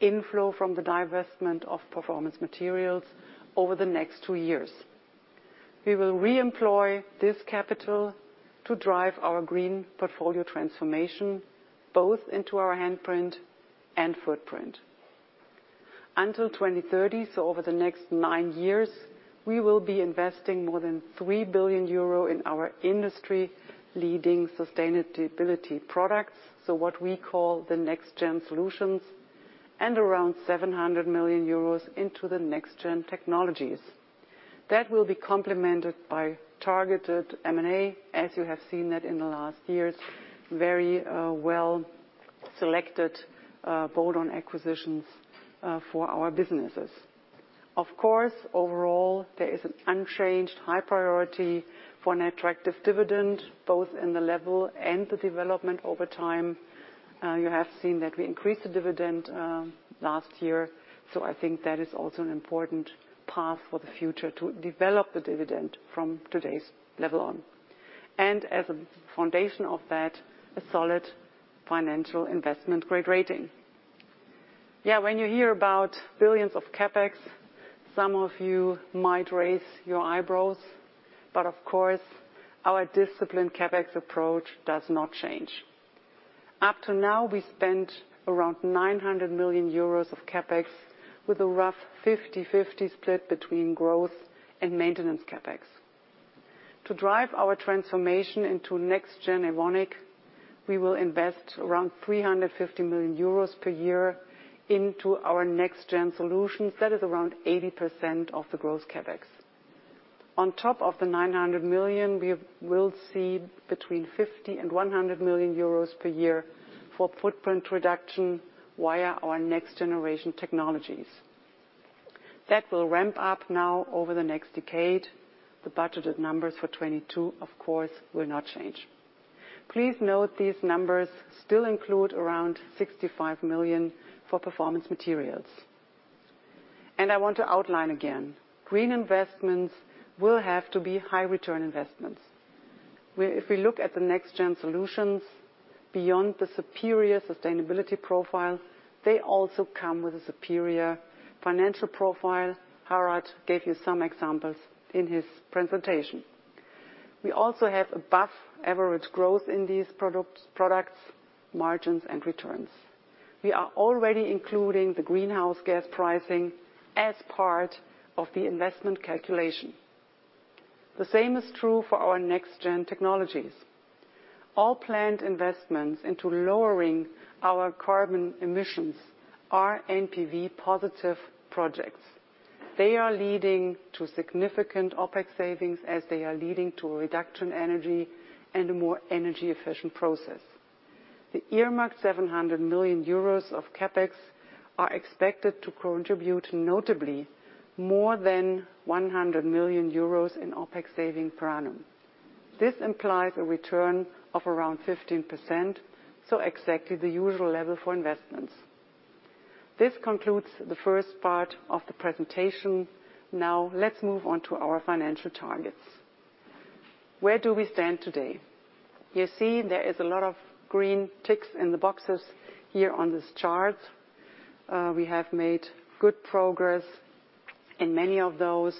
inflow from the divestment of Performance Materials over the next two years. We will re-employ this capital to drive our green portfolio transformation, both into our handprint and footprint. Until 2030s, so over the next nine years, we will be investing more than 3 billion euro in our industry-leading sustainability products, so what we call the Next Generation Solutions, and around 700 million euros into the Next Generation Technologies. That will be complemented by targeted M&A, as you have seen that in the last years, very, well-selected, bolt-on acquisitions, for our businesses. Of course, overall, there is an unchanged high priority for an attractive dividend, both in the level and the development over time. You have seen that we increased the dividend last year, so I think that is also an important path for the future to develop the dividend from today's level on. As a foundation of that, a solid financial investment-grade rating. Yeah, when you hear about billions of CapEx, some of you might raise your eyebrows. Of course, our disciplined CapEx approach does not change. Up to now, we spent around 900 million euros of CapEx with a rough 50-50 split between growth and maintenance CapEx. To drive our transformation into Next Generation Evonik, we will invest around 350 million euros per year into our Next Generation Solutions. That is around 80% of the growth CapEx. On top of the 900 million, we will see between 50 million and 100 million euros per year for footprint reduction via our Next Generation Technologies. That will ramp up now over the next decade. The budgeted numbers for 2022, of course, will not change. Please note these numbers still include around 65 million for Performance Materials. I want to outline again, green investments will have to be high return investments. If we look at the NextGen Solutions, beyond the superior sustainability profile, they also come with a superior financial profile. Harald gave you some examples in his presentation. We also have above average growth in these products, margins and returns. We are already including the greenhouse gas pricing as part of the investment calculation. The same is true for our NextGen Technologies. All planned investments into lowering our carbon emissions are NPV positive projects. They are leading to significant OpEx savings, as they are leading to a reduction in energy and a more energy-efficient process. The earmarked 700 million euros of CapEx are expected to contribute notably more than 100 million euros in OpEx savings per annum. This implies a return of around 15%, so exactly the usual level for investments. This concludes the first part of the presentation. Now let's move on to our financial targets. Where do we stand today? You see there is a lot of green ticks in the boxes here on this chart. We have made good progress in many of those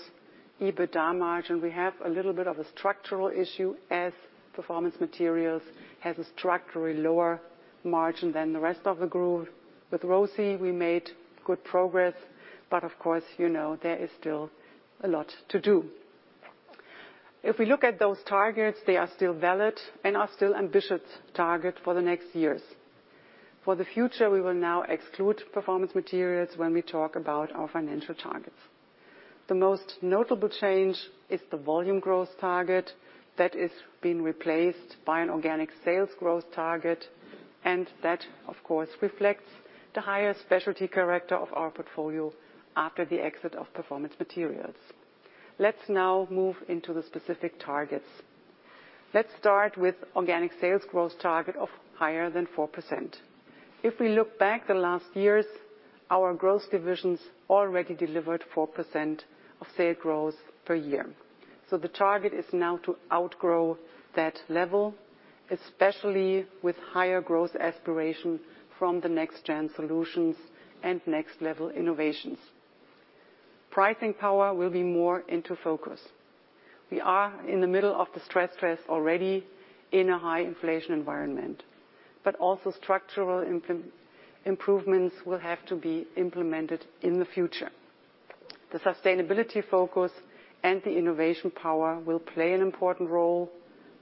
EBITDA margin. We have a little bit of a structural issue as Performance Materials has a structurally lower margin than the rest of the group. With ROCE, we made good progress, but of course, you know there is still a lot to do. If we look at those targets, they are still valid and are still ambitious target for the next years. For the future, we will now exclude Performance Materials when we talk about our financial targets. The most notable change is the volume growth target that is being replaced by an organic sales growth target. That, of course, reflects the higher specialty character of our portfolio after the exit of Performance Materials. Let's now move into the specific targets. Let's start with organic sales growth target of higher than 4%. If we look back the last years, our growth divisions already delivered 4% of sales growth per year. The target is now to outgrow that level, especially with higher growth aspiration from the NextGen Solutions and next level innovations. Pricing power will be more into focus. We are in the midst of distress already in a high inflation environment. Also structural improvements will have to be implemented in the future. The sustainability focus and the innovation power will play an important role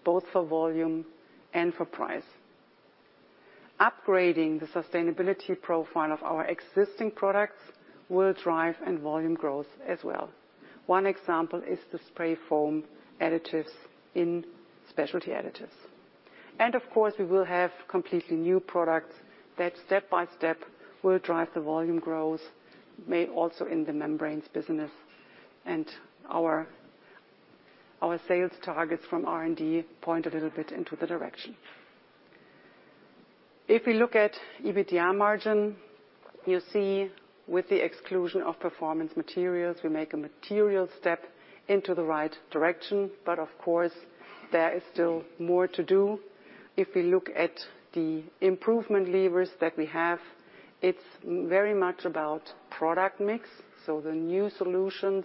both for volume and for price. Upgrading the sustainability profile of our existing products will drive volume growth as well. One example is the spray foam additives in Specialty Additives. Of course we will have completely new products that step by step will drive the volume growth, may also in the membranes business and our sales targets from R&D point a little bit into the direction. If we look at EBITDA margin, you see with the exclusion of Performance Materials, we make a material step into the right direction. Of course, there is still more to do. If we look at the improvement levers that we have, it's very much about product mix, so the new solutions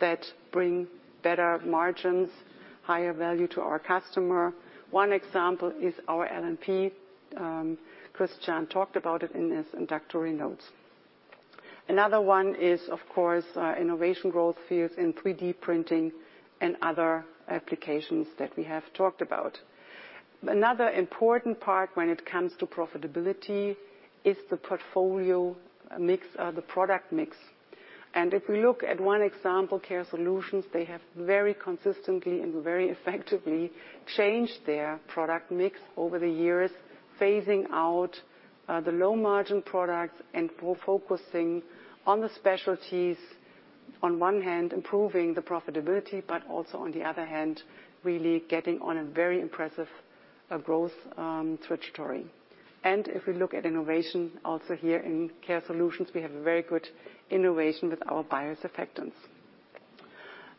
that bring better margins, higher value to our customer. One example is our LNP. Christian talked about it in his introductory notes. Another one is, of course, our innovation growth fields in 3D printing and other applications that we have talked about. Another important part when it comes to profitability is the portfolio mix, the product mix. If we look at one example, Care Solutions, they have very consistently and very effectively changed their product mix over the years, phasing out the low margin products and more focusing on the specialties. On one hand improving the profitability, but also on the other hand, really getting on a very impressive growth trajectory. If we look at innovation also here in Care Solutions, we have very good innovation with our biosurfactants.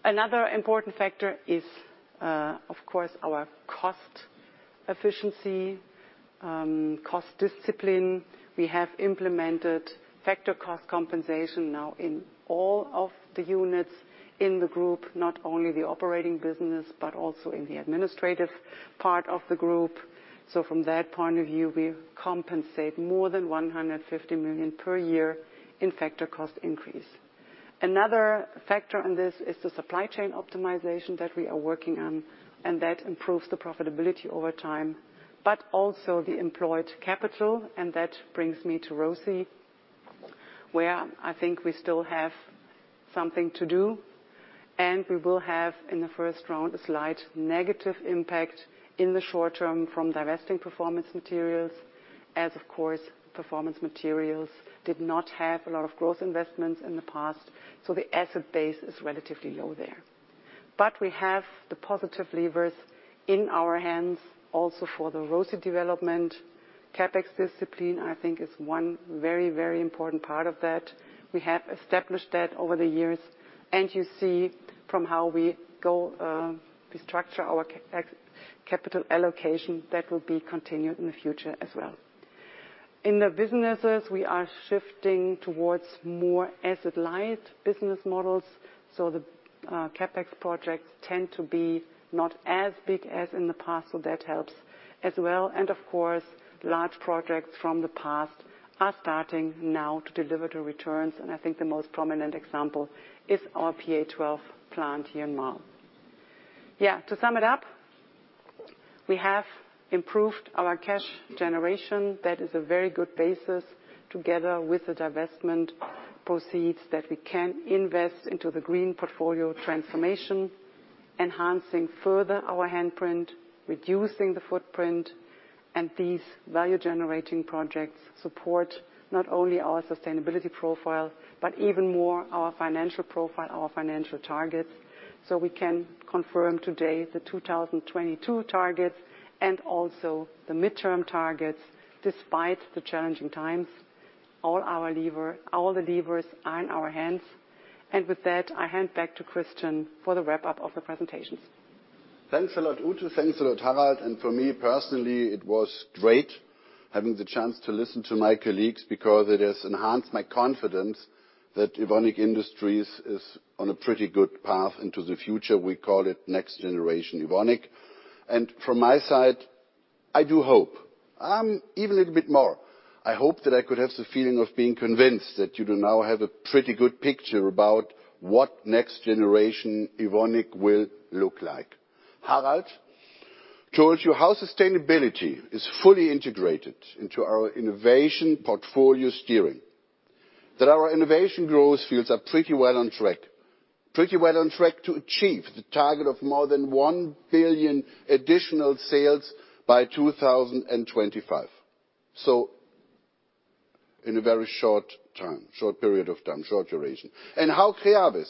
Another important factor is, of course, our cost efficiency, cost discipline. We have implemented factor cost compensation now in all of the units in the group, not only the operating business, but also in the administrative part of the group. From that point of view, we compensate more than 150 million per year in factor cost increase. Another factor in this is the supply chain optimization that we are working on, and that improves the profitability over time. Also the employed capital, and that brings me to ROCE, where I think we still have something to do, and we will have in the first round a slight negative impact in the short term from divesting Performance Materials, as of course, Performance Materials did not have a lot of growth investments in the past, so the asset base is relatively low there. We have the positive levers in our hands also for the ROCE development. CapEx discipline, I think, is one very, very important part of that. We have established that over the years. You see from how we go, we structure our CapEx capital allocation that will be continued in the future as well. In the businesses, we are shifting towards more asset light business models, so the CapEx projects tend to be not as big as in the past, so that helps as well. Of course, large projects from the past are starting now to deliver the returns. I think the most prominent example is our PA12 plant here in Marl. Yeah, to sum it up, we have improved our cash generation. That is a very good basis together with the divestment proceeds that we can invest into the green portfolio transformation, enhancing further our handprint, reducing the footprint. These value-generating projects support not only our sustainability profile, but even more our financial profile, our financial targets. We can confirm today the 2022 targets and also the midterm targets despite the challenging times. All the levers are in our hands. With that, I hand back to Christian for the wrap-up of the presentations. Thanks a lot, Ute. Thanks a lot, Harald. For me personally, it was great having the chance to listen to my colleagues because it has enhanced my confidence that Evonik Industries is on a pretty good path into the future. We call it Next Generation Evonik. From my side, I do hope, even a little bit more. I hope that I could have the feeling of being convinced that you do now have a pretty good picture about what Next Generation Evonik will look e. Harald told you how sustainability is fully integrated into our innovation portfolio steering. That our innovation growth fields are pretty well on track. Pretty well on track to achieve the target of more than 1 billion additional sales by 2025. In a very short time, short period of time, short duration. How Creavis,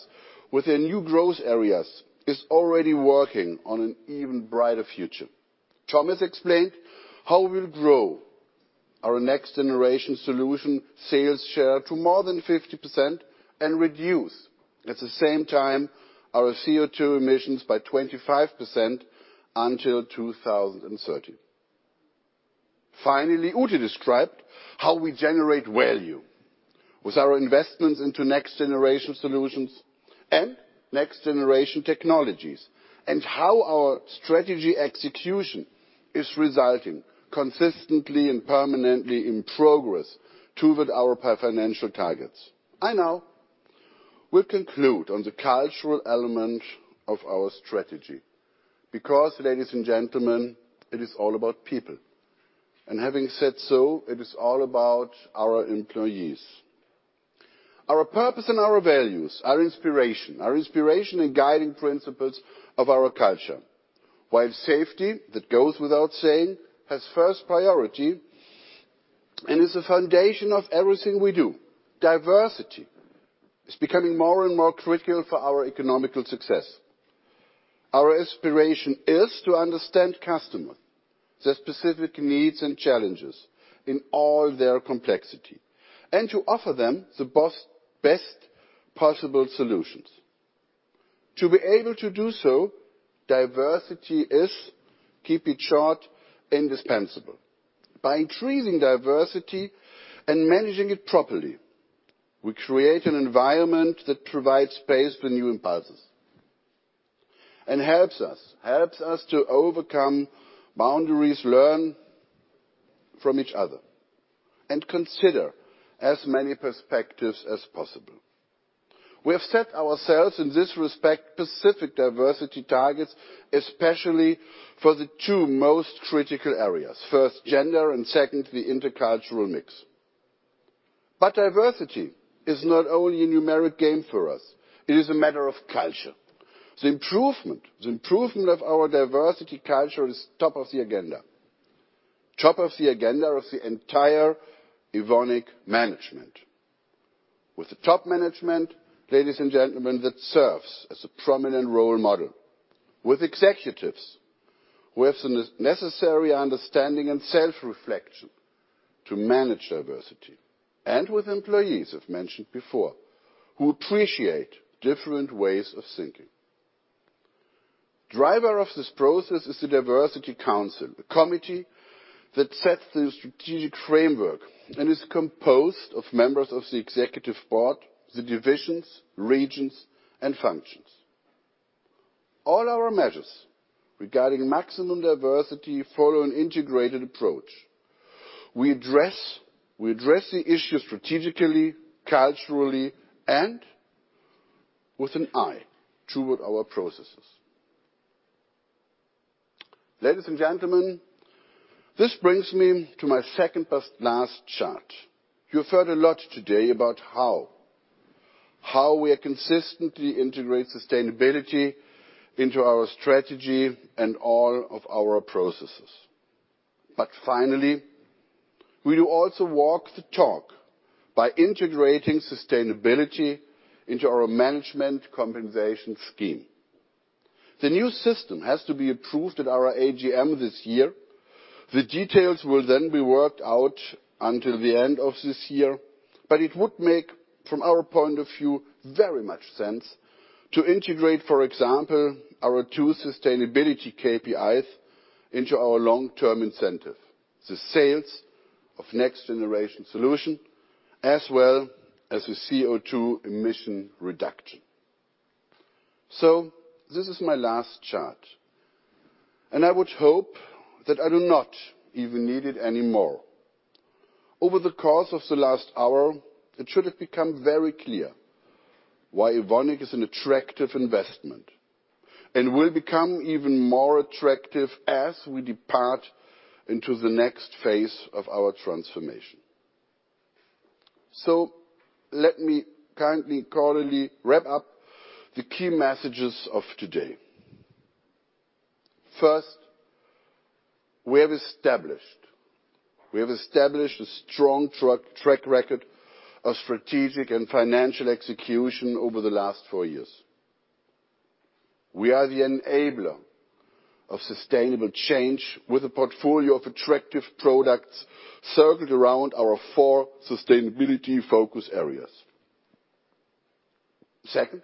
with their new growth areas, is already working on an even brighter future. Thomas explained how we'll grow our Next Generation Solutions sales share to more than 50% and reduce at the same time our CO2 emissions by 25% until 2030. Finally, Ute described how we generate value with our investments into Next Generation Solutions and Next Generation Technologies, and how our strategy execution is resulting consistently and permanently in progress toward our financial targets. I now will conclude on the cultural element of our strategy because, ladies and gentlemen, it is all about people. Having said so, it is all about our employees. Our purpose and our values, our inspiration and guiding principles of our culture. While safety, that goes without saying, has first priority and is the foundation of everything we do, diversity is becoming more and more critical for our economic success. Our aspiration is to understand customer, their specific needs and challenges in all their complexity, and to offer them the best possible solutions. To be able to do so, diversity is, keep it short, indispensable. By increasing diversity and managing it properly, we create an environment that provides space for new impulses and helps us to overcome boundaries, learn from each other, and consider as many perspectives as possible. We have set ourselves, in this respect, specific diversity targets, especially for the two most critical areas. First, gender, and second, the intercultural mix. Diversity is not only a numeric game for us, it is a matter of culture. The improvement of our diversity culture is top of the agenda. Top of the agenda of the entire Evonik management. With the top management, ladies and gentlemen, that serves as a prominent role model. With executives who have the necessary understanding and self-reflection to manage diversity. With employees, I've mentioned before, who appreciate different ways of thinking. Driver of this process is the Diversity Council, the committee that sets the strategic framework and is composed of members of the executive board, the divisions, regions, and functions. All our measures regarding maximum diversity follow an integrated approach. We address the issue strategically, culturally, and with an eye toward our processes. Ladies and gentlemen, this brings me to my second but last chart. You've heard a lot today about how we are consistently integrate sustainability into our strategy and all of our processes. Finally, we will also walk the talk by integrating sustainability into our management compensation scheme. The new system has to be approved at our AGM this year. The details will then be worked out until the end of this year. It would make, from our point of view, very much sense to integrate, for example, our two sustainability KPIs into our long-term incentive. The sales of Next Generation Solutions, as well as the CO2 emission reduction. This is my last chart, and I would hope that I do not even need it anymore. Over the course of the last hour, it should have become very clear why Evonik is an attractive investment and will become even more attractive as we depart into the next phase of our transformation. Let me kindly, cordially wrap up the key messages of today. First, we have established a strong track record of strategic and financial execution over the last four years. We are the enabler of sustainable change with a portfolio of attractive products centered around our four sustainability focus areas. Second,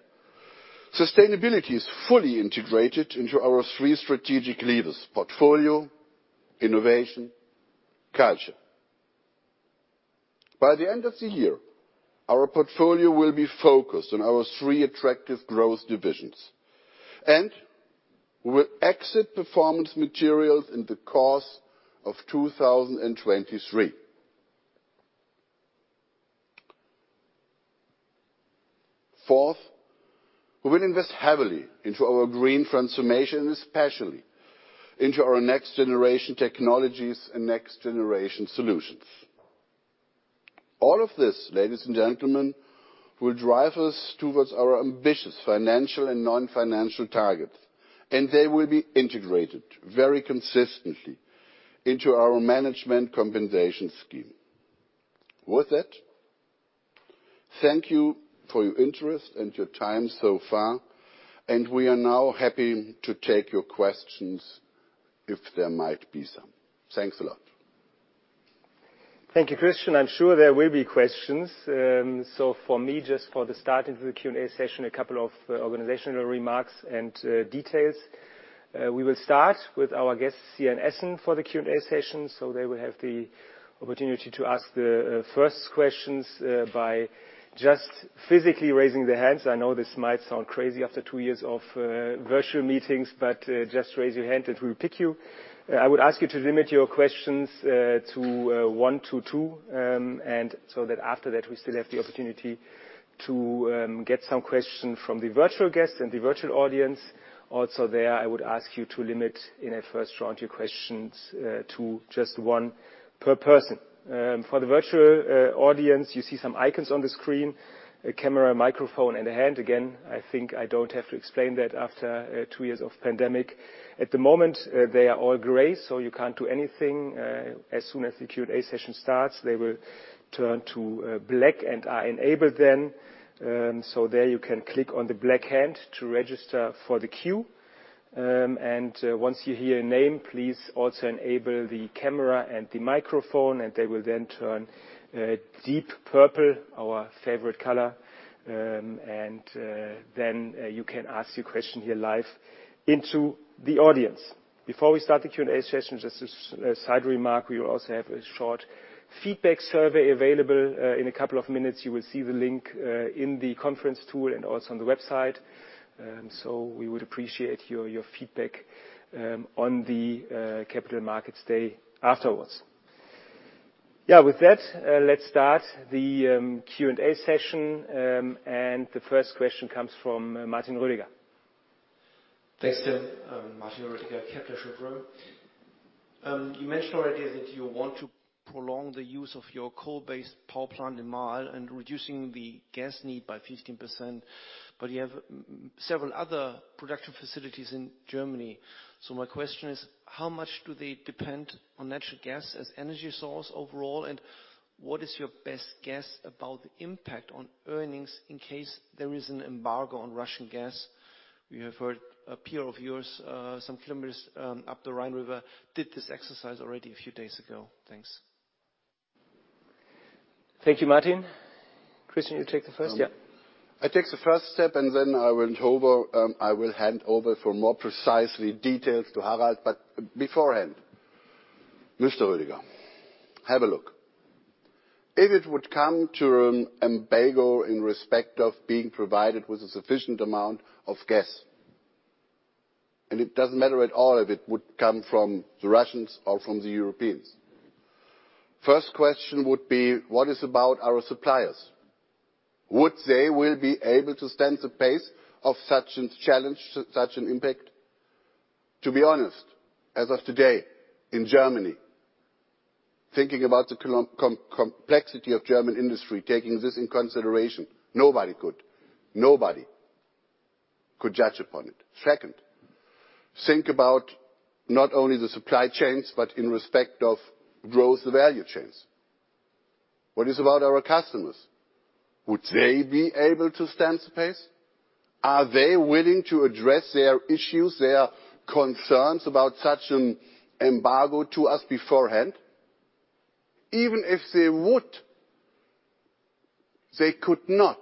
sustainability is fully integrated into our three strategic levers, portfolio, innovation, culture. By the end of the year, our portfolio will be focused on our three attractive growth divisions, and we will exit Performance Materials in the course of 2023. Fourth, we will invest heavily into our green transformation, especially into our Next Generation Technologies and Next Generation Solutions. All of this, ladies and gentlemen, will drive us towards our ambitious financial and non-financial targets, and they will be integrated very consistently into our management compensation scheme. With that, thank you for your interest and your time so far, and we are now happy to take your questions if there might be some. Thanks a lot. Thank you, Christian. I'm sure there will be questions. For me, just for the start of the Q&A session, a couple of organizational remarks and details. We will start with our guests here in Essen for the Q&A session, so they will have the opportunity to ask the first questions by just physically raising their hands. I know this might sound crazy after two years of virtual meetings, but just raise your hand and we'll pick you. I would ask you to limit your questions to one to two, and so that after that we still have the opportunity to get some questions from the virtual guests and the virtual audience. Also there, I would ask you to limit in a first round your questions to just one per person. For the virtual audience, you see some icons on the screen, a camera, microphone, and a hand again. I think I don't have to explain that after two years of pandemic. At the moment, they are all gray, so you can't do anything. As soon as the Q&A session starts, they will turn to black and are enabled then. There you can click on the black hand to register for the queue. Once you hear your name, please also enable the camera and the microphone, and they will then turn a deep purple, our favorite color. You can ask your question here live into the audience. Before we start the Q&A session, just a side remark, we will also have a short feedback survey available in a couple of minutes. You will see the link in the conference tool and also on the website. We would appreciate your feedback on the Capital Markets Day afterwards. Yeah. With that, let's start the Q&A session. The first question comes from Martin Roediger. Thanks, Tim. Martin Roediger from Kepler Cheuvreux, you mentioned already that you want to prolong the use of your coal-based power plant in Marl and reducing the gas need by 15%. You have several other production facilities in Germany. My question is, how much do they depend on natural gas as energy source overall, and what is your best guess about the impact on earnings in case there is an embargo on Russian gas? We have heard a peer of yours, some kilometers up the Rhine River, did this exercise already a few days ago. Thanks. Thank you, Martin. Christian, you take the first? Yeah. I take the first step, and then I will hand over for more precise details to Harald but before then, Mr. Roediger, have a look. If it would come to an embargo in respect of being provided with a sufficient amount of gas, and it doesn't matter at all if it would come from the Russians or from the Europeans, first question would be, what is about our suppliers? Would they will be able to stand the pace of such a challenge, such an impact? To be honest, as of today in Germany, thinking about the complexity of German industry, taking this in consideration, nobody could. Nobody could judge upon it. Second, think about not only the supply chains but in respect of growth value chains. What is about our customers? Would they be able to stand the pace? Are they willing to address their issues, their concerns about such an embargo to us beforehand? Even if they would, they could not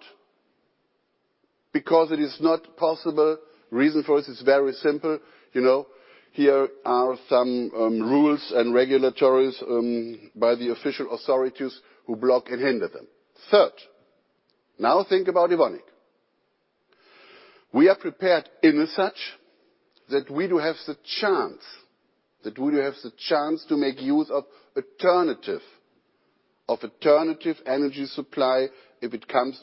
because it is not possible. Reason for this is very simple. You know, here are some rules and regulations by the official authorities who block and hinder them. Third, now think about Evonik. We are prepared in as such that we do have the chance to make use of alternative energy supply if it comes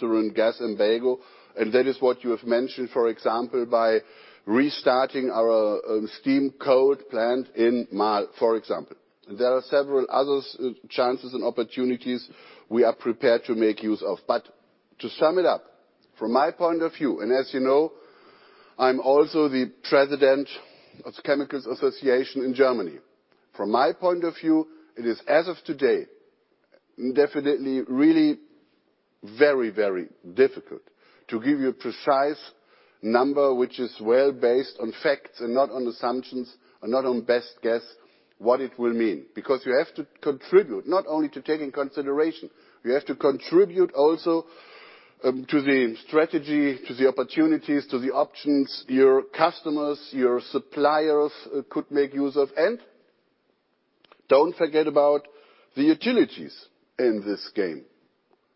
to a gas embargo, and that is what you have mentioned, for example, by restarting our steam coal plant in Marl, for example. There are several other chances and opportunities we are prepared to make use of. To sum it up, from my point of view, and as you know, I'm also the president of Chemicals Association in Germany. From my point of view, it is, as of today, definitely really very, very difficult to give you a precise number which is well based on facts and not on assumptions and not on best guess what it will mean. Because you have to contribute, not only to take into consideration, you have to contribute also to the strategy, to the opportunities, to the options your customers, your suppliers could make use of. Don't forget about the utilities in this game,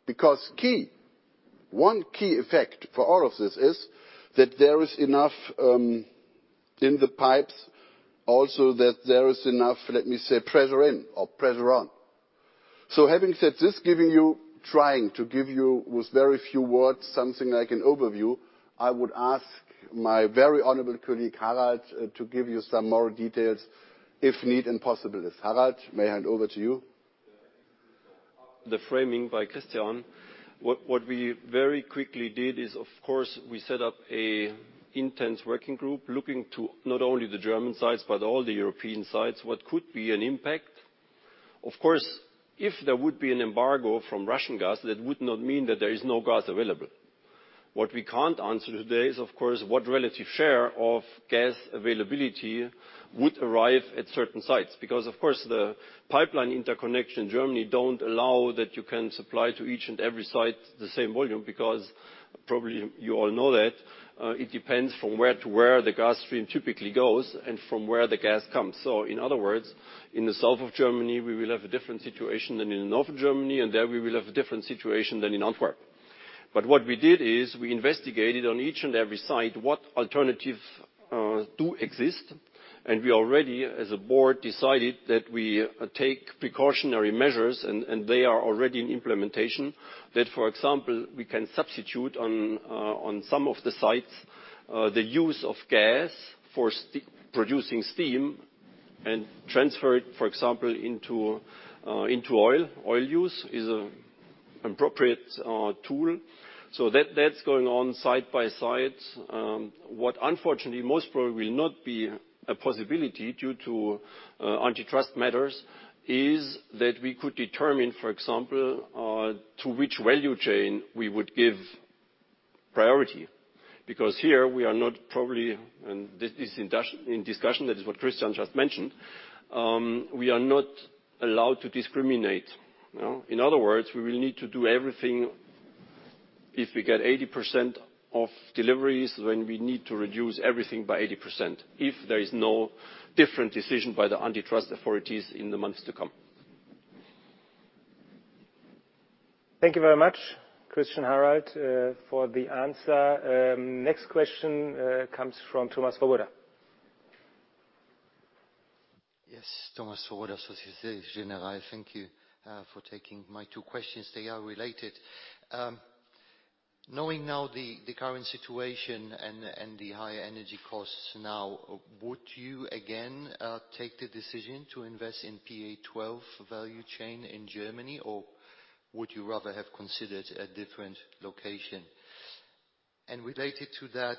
because one key effect for all of this is that there is enough in the pipes also that there is enough, let me say, pressure in or pressure on. Having said this, giving you. Trying to give you, with very few words, something like an overview, I would ask my very honorable colleague, Harald, to give you some more details if needed and possible. Harald, may I hand over to you? The framing by Christian. What we very quickly did is, of course, we set up an intensive working group looking to not only the German sides but all the European sides, what could be an impact. Of course, if there would be an embargo from Russian gas, that would not mean that there is no gas available. What we can't answer today is, of course, what relative share of gas availability would arrive at certain sites. Because, of course, the pipeline interconnection in Germany don't allow that you can supply to each and every site the same volume because probably you all know that, it depends from where to where the gas stream typically goes and from where the gas comes. In other words, in the south of Germany, we will have a different situation than in the north of Germany, and there we will have a different situation than in Antwerp. What we did is we investigated on each and every site what alternatives do exist, and we already as a Board decided that we take precautionary measures, and they are already in implementation. For example, we can substitute on some of the sites the use of gas for producing steam and transfer it, for example, into oil. Oil use is an appropriate tool. That's going on site by site. What unfortunately most probably will not be a possibility due to antitrust matters is that we could determine, for example, to which value chain we would give priority. Because here we are not probably, and this is in discussion, that is what Christian just mentioned, we are not allowed to discriminate. No? In other words, we will need to do everything if we get 80% of deliveries when we need to reduce everything by 80%, if there is no different decision by the antitrust authorities in the months to come. Thank you very much, Christian, Harald, for the answer. Next question comes from Thomas Swoboda. Yes. Thomas Swoboda, Société Générale. Thank you for taking my two questions. They are related. Knowing now the current situation and the high energy costs now, would you again take the decision to invest in PA12 value chain in Germany? Or would you rather have considered a different location? Related to that,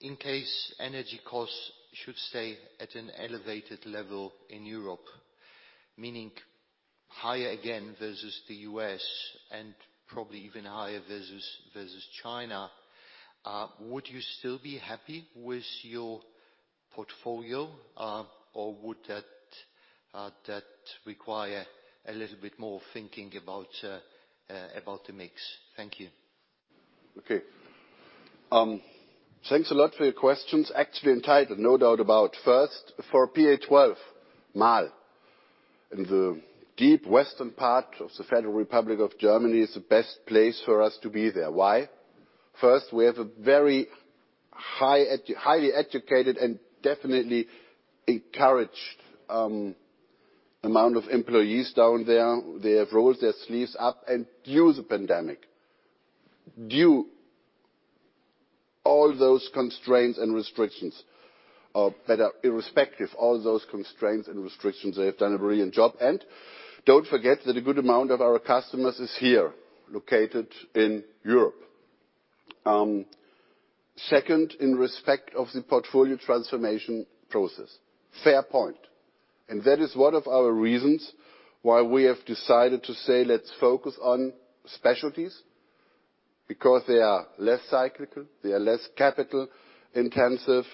in case energy costs should stay at an elevated level in Europe, meaning higher again versus the U.S. and probably even higher versus China, would you still be happy with your portfolio, or would that require a little bit more thinking about the mix? Thank you. Okay. Thanks a lot for your questions, actually entitled, no doubt about. First, for PA12, Marl in the deep western part of the Federal Republic of Germany is the best place for us to be there. Why? First, we have a very highly educated and definitely encouraged amount of employees down there. They have rolled their sleeves up, and due to the pandemic, due to all those constraints and restrictions, or better, irrespective of all those constraints and restrictions, they have done a brilliant job. Don't forget that a good amount of our customers is here located in Europe. Second, in respect of the portfolio transformation process, fair point, and that is one of our reasons why we have decided to say, let's focus on specialties because they are less cyclical, they are less capital-intensive.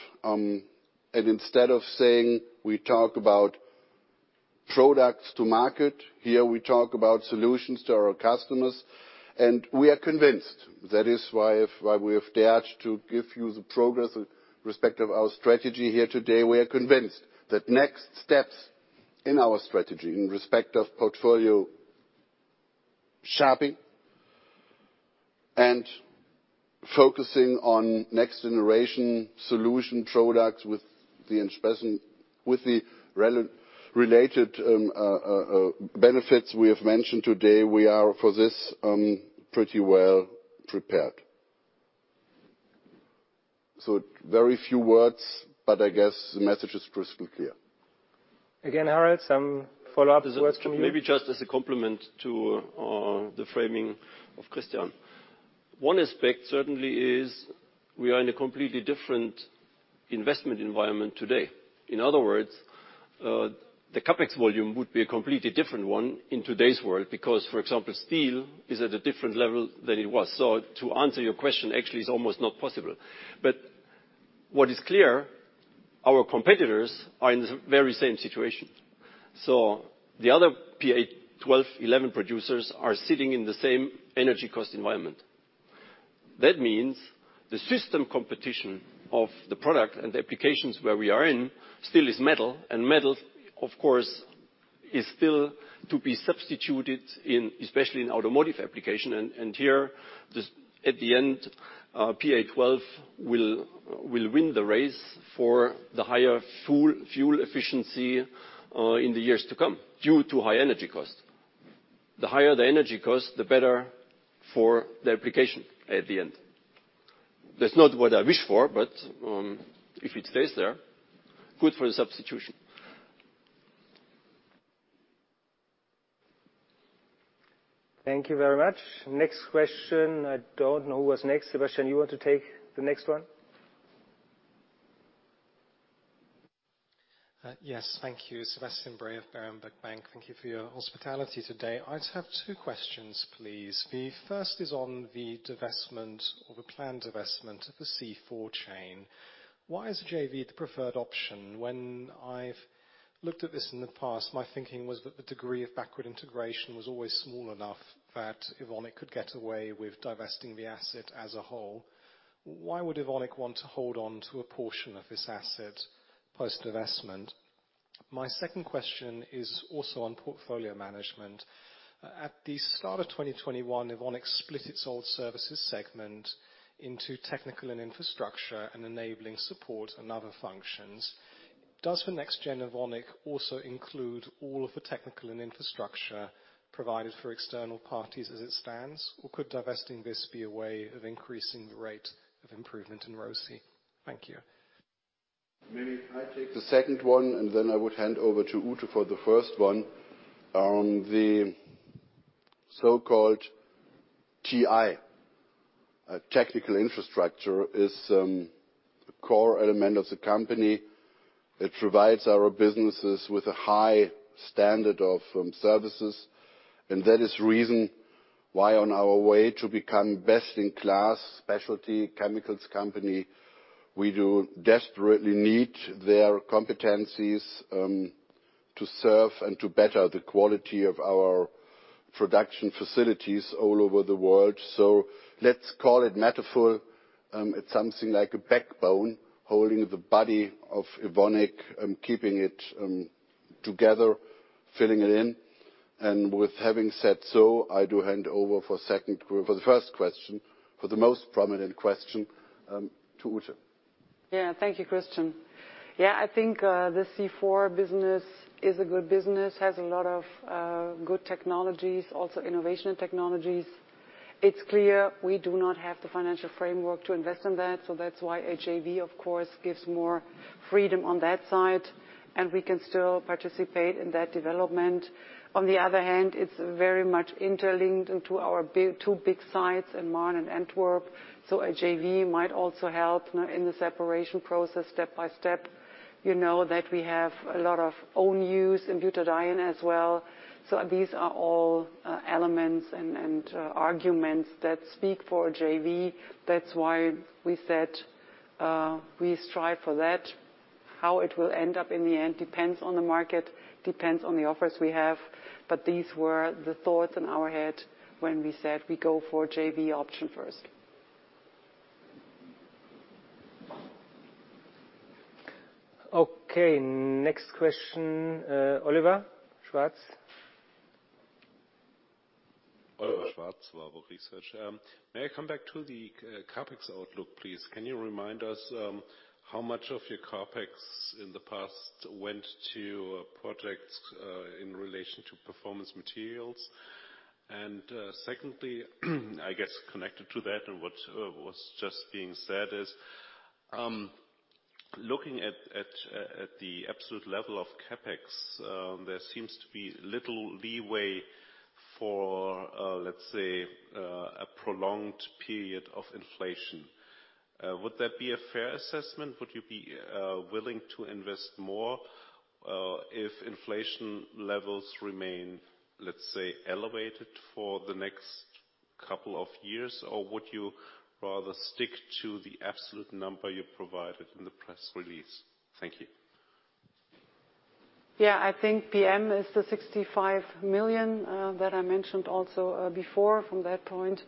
Instead of saying, we talk about products to market, here we talk about solutions to our customers, and we are convinced. That is why we have dared to give you the progress in respect of our strategy here today. We are convinced that next steps in our strategy in respect of portfolio shaping and focusing on next-generation solution products with the investment, with the related benefits we have mentioned today, we are for this pretty well prepared. Very few words, but I guess the message is crystal clear. Again, Harald, some follow-up words from you. Maybe just as a complement to the framing of Christian. One aspect certainly is we are in a completely different investment environment today. In other words, the CapEx volume would be a completely different one in today's world because, for example, steel is at a different level than it was. To answer your question actually is almost not possible. What is clear, our competitors are in the very same situation. The other PA12, 11 producers are sitting in the same energy cost environment. That means the system competition of the product and the applications where we are in still is metal, of course, is still to be substituted in, especially in automotive application. At the end, PA12 will win the race for the higher fuel efficiency in the years to come due to high energy costs. The higher the energy cost, the better for the application at the end. That's not what I wish for, but if it stays there, good for the substitution. Thank you very much. Next question. I don't know who was next. Sebastian, you want to take the next one? Yes. Thank you. Sebastian Bray of Berenberg Bank. Thank you for your hospitality today. I just have two questions, please. The first is on the divestment or the planned divestment of the C4 chain. Why is JV the preferred option? When I've looked at this in the past, my thinking was that the degree of backward integration was always small enough that Evonik could get away with divesting the asset as a whole. Why would Evonik want to hold on to a portion of this asset post-divestment? My second question is also on portfolio management. At the start of 2021, Evonik split its old services segment into technical and infrastructure and enabling support and other functions. Does the Next Generation Evonik also include all of the Technology & Infrastructure provided for external parties as it stands, or could divesting this be a way of increasing the rate of improvement in ROCE? Thank you. Maybe if I take the second one, and then I would hand over to Ute for the first one. On the so-called TI, technical infrastructure is a core element of the company. It provides our businesses with a high standard of services, and that is reason why on our way to become best in class specialty chemicals company, we do desperately need their competencies to serve and to better the quality of our production facilities all over the world. Let's call it metaphor, it's something like a backbone holding the body of Evonik and keeping it together, filling it in. With having said so, I do hand over for the first question, for the most prominent question, to Ute. Yeah. Thank you, Christian. Yeah, I think the C4 business is a good business, has a lot of good technologies, also innovation and technologies. It's clear we do not have the financial framework to invest in that, so that's why a JV of course gives more freedom on that side, and we can still participate in that development. On the other hand, it's very much interlinked into our two big sites in Marl and Antwerp, so a JV might also help in the separation process step by step. You know that we have a lot of own use in butadiene as well. These are all elements and arguments that speak for a JV. That's why we said we strive for that. How it will end up in the end depends on the market, pepends on the offers we have, but these were the thoughts in our head when we said we go for JV option first. Okay. Next question, Oliver Schwarz. Oliver Schwarz, Warburg Research. May I come back to the CapEx outlook, please? Can you remind us how much of your CapEx in the past went to projects in relation to Performance Materials? Secondly, I guess connected to that and what was just being said is looking at the absolute level of CapEx, there seems to be little leeway for, let's say, a prolonged period of inflation. Would that be a fair assessment? Would you be willing to invest more if inflation levels remain, let's say, elevated for the next couple of years? Or would you rather stick to the absolute number you provided in the press release? Thank you. Yeah. I think PM is the 65 million that I mentioned also before. From that point,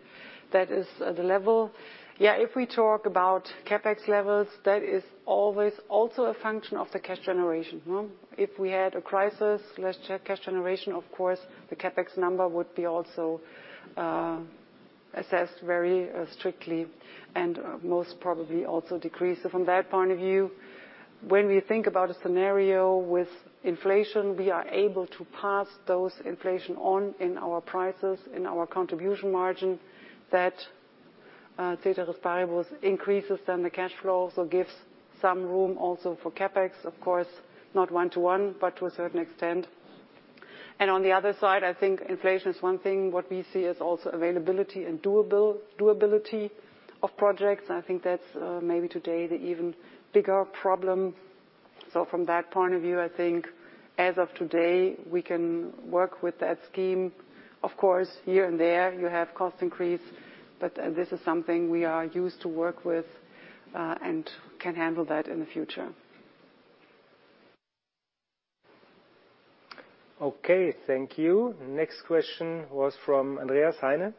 that is the level. Yeah, if we talk about CapEx levels, that is always also a function of the cash generation, no? If we had a crisis, less cash generation, of course, the CapEx number would be also assessed very strictly and most probably also decrease. From that point of view, when we think about a scenario with inflation, we are able to pass those inflation on in our prices, in our contribution margin that which variables increase then the cash flow, so gives some room also for CapEx. Of course, not one to one, but to a certain extent. On the other side, I think inflation is one thing. What we see is also availability and doability of projects. I think that's, maybe today the even bigger problem. From that point of view, I think as of today, we can work with that scheme. Of course, here and there you have cost increase, but, this is something we are used to work with, and can handle that in the future. Okay. Thank you. Next question was from Andreas Heine.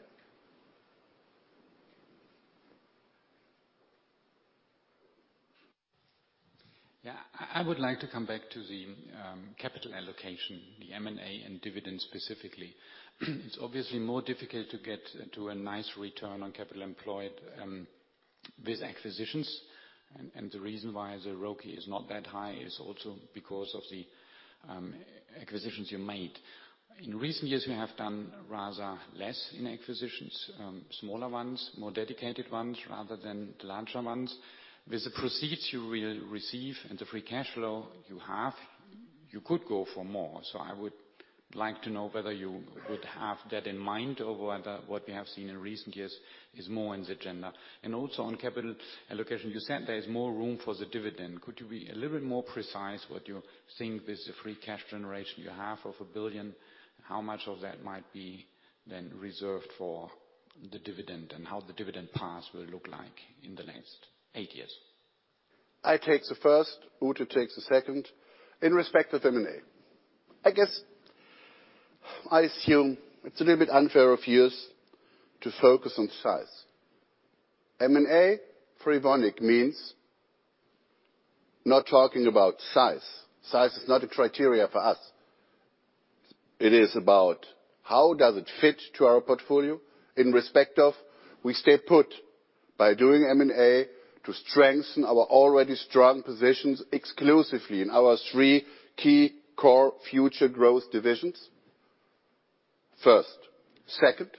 I would like to come back to the capital allocation, the M&A and dividends specifically. It's obviously more difficult to get to a nice return on capital employed with acquisitions. The reason why the ROCE is not that high is also because of the acquisitions you made. In recent years, you have done rather less in acquisitions, smaller ones, more dedicated ones rather than the larger ones. With the proceeds you will receive and the free cash flow you have You could go for more. I would like to know whether you would have that in mind, or whether what we have seen in recent years is more in the agenda. Also on capital allocation, you said there is more room for the dividend. Could you be a little bit more precise what you think is the free cash generation? You have over 1 billion, how much of that might be then reserved for the dividend, and how the dividend paths will look like in the next eight years? I take the first, Ute takes the second. In respect to M&A, I guess I assume it's a little bit unfair of you to focus on size. M&A for Evonik means not talking about size. Size is not a criterion for us. It is about how does it fit to our portfolio in respect of we stay put by doing M&A to strengthen our already strong positions exclusively in our three key core future growth divisions. First. Second,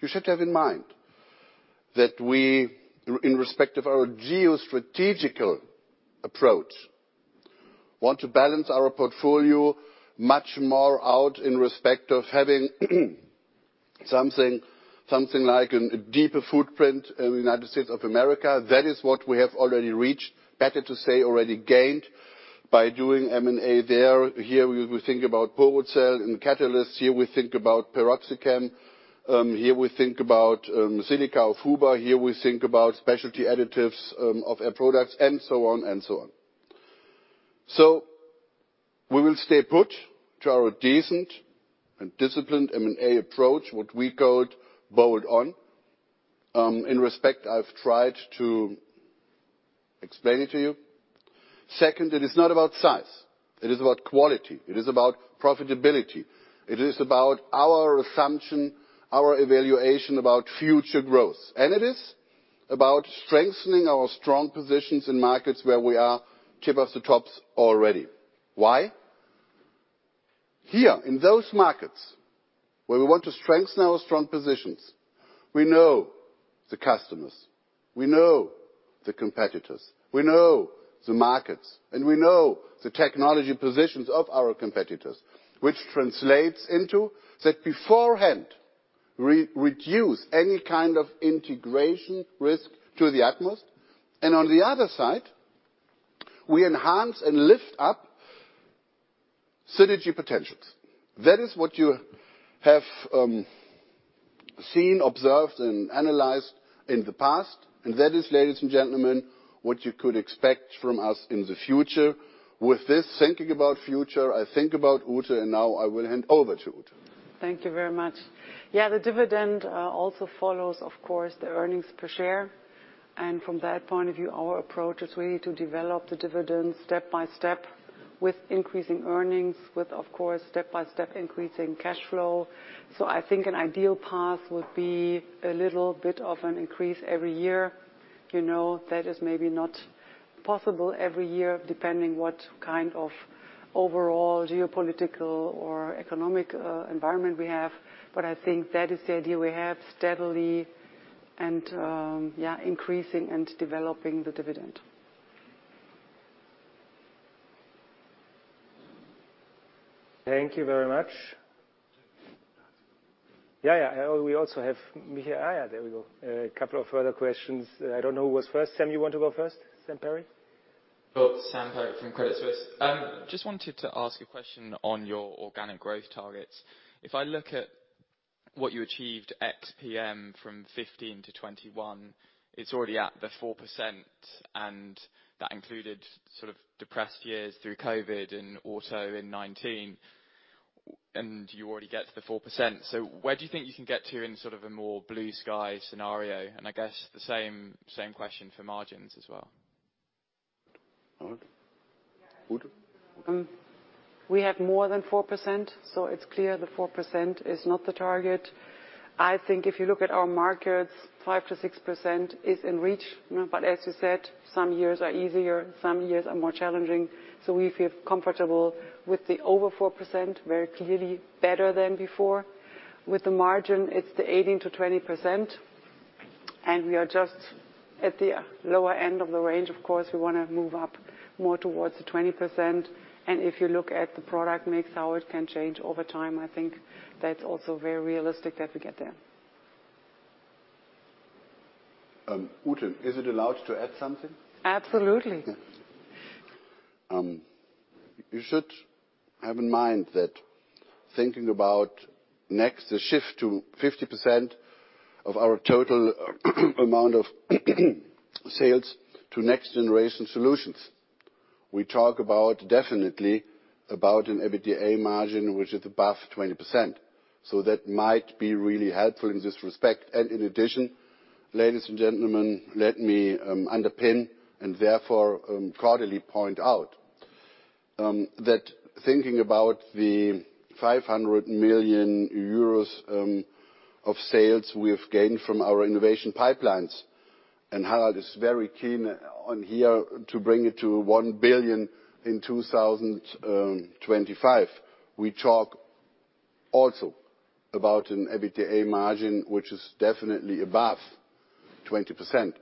you should have in mind that we, in respect of our geostrategic approach, want to balance our portfolio much more out in respect of having something like an, a deeper footprint in the United States of America. That is what we have already reached. Better to say, already gained by doing M&A there. Here, we think about Porocel and catalysts. Here we think about PeroxyChem. Here we think about silica of Huber. Here we think about Specialty Additives of Air Products and so on and so on. We will stay put to our decent and disciplined M&A approach, what we called bolt-on, in respect I've tried to explain it to you. Second, it is not about size. It is about quality. It is about profitability. It is about our assumption, our evaluation about future growth. It is about strengthening our strong positions in markets where we are top of the tops already. Why? Here in those markets where we want to strengthen our strong positions, we know the customers, we know the competitors, we know the markets, and we know the technology positions of our competitors, which translates into that beforehand reduce any kind of integration risk to the utmost. On the other side, we enhance and lift up synergy potentials. That is what you have seen, observed, and analyzed in the past. That is, ladies and gentlemen, what you could expect from us in the future. With this thinking about future, I think about Ute, and now I will hand over to Ute. Thank you very much. Yeah, the dividend also follows, of course, the earnings per share. From that point of view, our approach is we need to develop the dividend step-by-step with increasing earnings, with, of course, step-by-step increasing cash flow. I think an ideal path would be a little bit of an increase every year. You know, that is maybe not possible every year depending what kind of overall geopolitical or economic environment we have. I think that is the idea we have, steadily and yeah, increasing and developing the dividend. Thank you very much. Yeah, yeah. We also have [Mihaaya]. There we go. A couple of further questions. I don't know who was first. Sam, you want to go first? Sam Perry? Sam Perry from Credit Suisse. Just wanted to ask a question on your organic growth targets. If I look at what you achieved ex PM from 2015-2021, it's already at the 4%, and that included sort of depressed years through COVID and auto in 2019, and you already get to the 4%. Where do you think you can get to in sort of a more blue sky scenario? I guess the same question for margins as well. All right. Ute? We have more than 4%, so it's clear the 4% is not the target. I think if you look at our markets, 5%-6% is in reach. As you said, some years are easier, some years are more challenging. We feel comfortable with the over 4%, very clearly better than before. With the margin, it's the 18%-20%, and we are just at the lower end of the range. Of course, we wanna move up more towards the 20%. If you look at the product mix, how it can change over time, I think that's also very realistic that we get there. Ute, is it allowed to add something? Absolutely. You should have in mind that thinking about the shift to 50% of our total amount of sales to Next Generation Solutions, we talk about definitely about an EBITDA margin which is above 20%. That might be really helpful in this respect. In addition, ladies and gentlemen, let me underpin and therefore quarterly point out that thinking about the 500 million euros of sales we have gained from our innovation pipelines, and Harald is very keen on here to bring it to 1 billion in 2025. We talk Also about an EBITDA margin, which is definitely above 20%.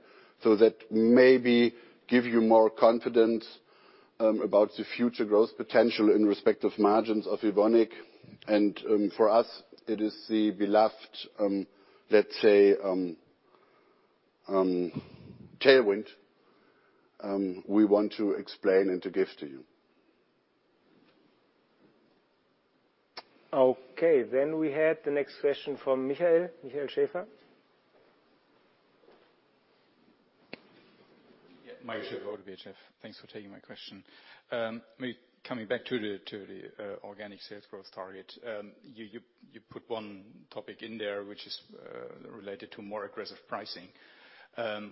That maybe give you more confidence about the future growth potential in respect of margins of Evonik. For us, it is the beloved, let's say, tailwind we want to explain and to give to you. Okay. We had the next question from Michael Schaefer. Yeah, Michael Schaefer, BHF. Thanks for taking my question. Coming back to the organic sales growth target. You put one topic in there which is related to more aggressive pricing,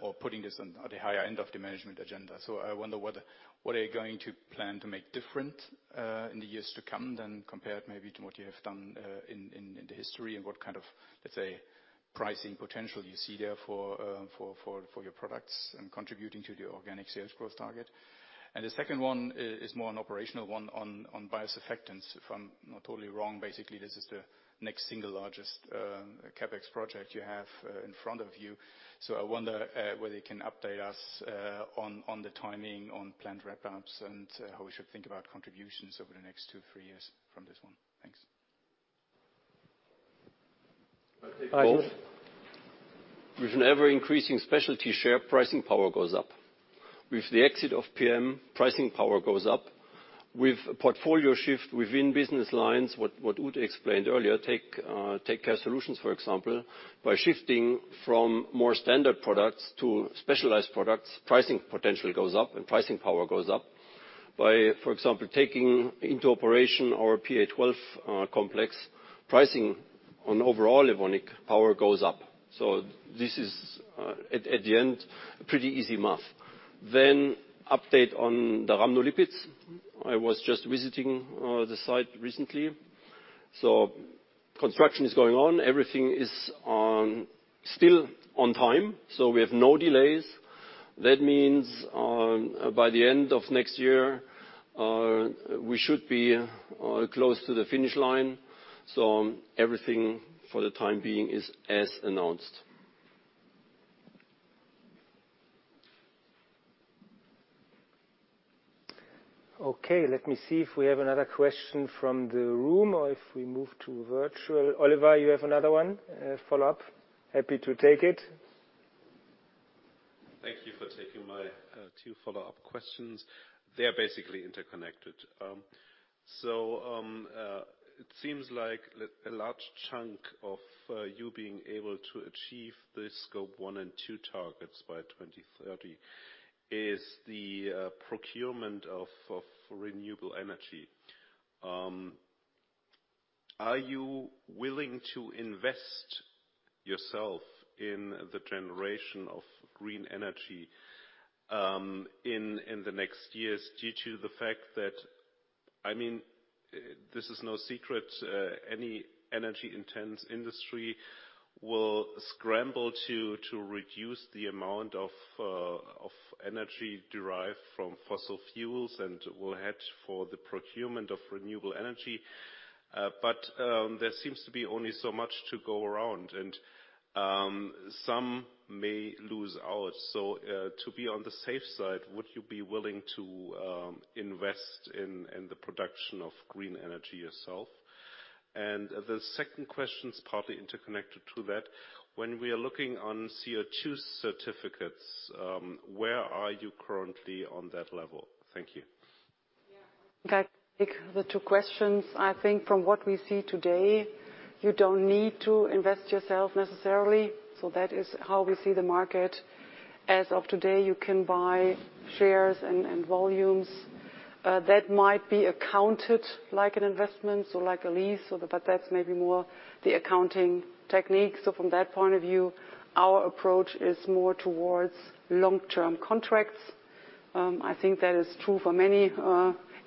or putting this on the higher end of the management agenda. I wonder what are you going to plan to make different in the years to come than compared maybe to what you have done in the history and what kind of, let's say, pricing potential you see there for your products and contributing to the organic sales growth target? The second one is more an operational one on bio-fermentation. If I'm not totally wrong, basically this is the next single largest CapEx project you have in front of you. I wonder whether you can update us on the timing, on planned wrap-ups and how we should think about contributions over the next two to three years from this one. Thanks. I take both. With an ever-increasing specialty share, pricing power goes up. With the exit of PM, pricing power goes up. With portfolio shift within business lines, as Ute explained earlier, take Care Solutions for example. By shifting from more standard products to specialized products, pricing potential goes up and pricing power goes up. By, for example, taking into operation our PA12 complex, pricing power overall for Evonik goes up. This is at the end pretty easy math. Update on the rhamnolipids. I was just visiting the site recently. Construction is going on. Everything is still on time, so we have no delays. That means by the end of next year we should be close to the finish line. Everything for the time being is as announced. Okay, let me see if we have another question from the room or if we move to virtual. Oliver, you have another one, follow-up? Happy to take it. Thank you for taking my two follow-up questions. They are basically interconnected. It seems like a large chunk of you being able to achieve the Scope 1 and 2 targets by 2030 is the procurement of renewable energy. Are you willing to invest yourself in the generation of green energy in the next years due to the fact that, I mean, this is no secret, any energy intense industry will scramble to reduce the amount of energy derived from fossil fuels and will head for the procurement of renewable energy. There seems to be only so much to go around, and some may lose out. Would you be willing to invest in the production of green energy yourself? The second question is partly interconnected to that. When we are looking at CO2 certificates, where are you currently on that level? Thank you. Yeah. I take the two questions. I think from what we see today, you don't need to invest yourself necessarily. That is how we see the market. As of today, you can buy shares and volumes that might be accounted like an investment or like a lease, but that's maybe more the accounting technique. From that point of view, our approach is more towards long-term contracts. I think that is true for many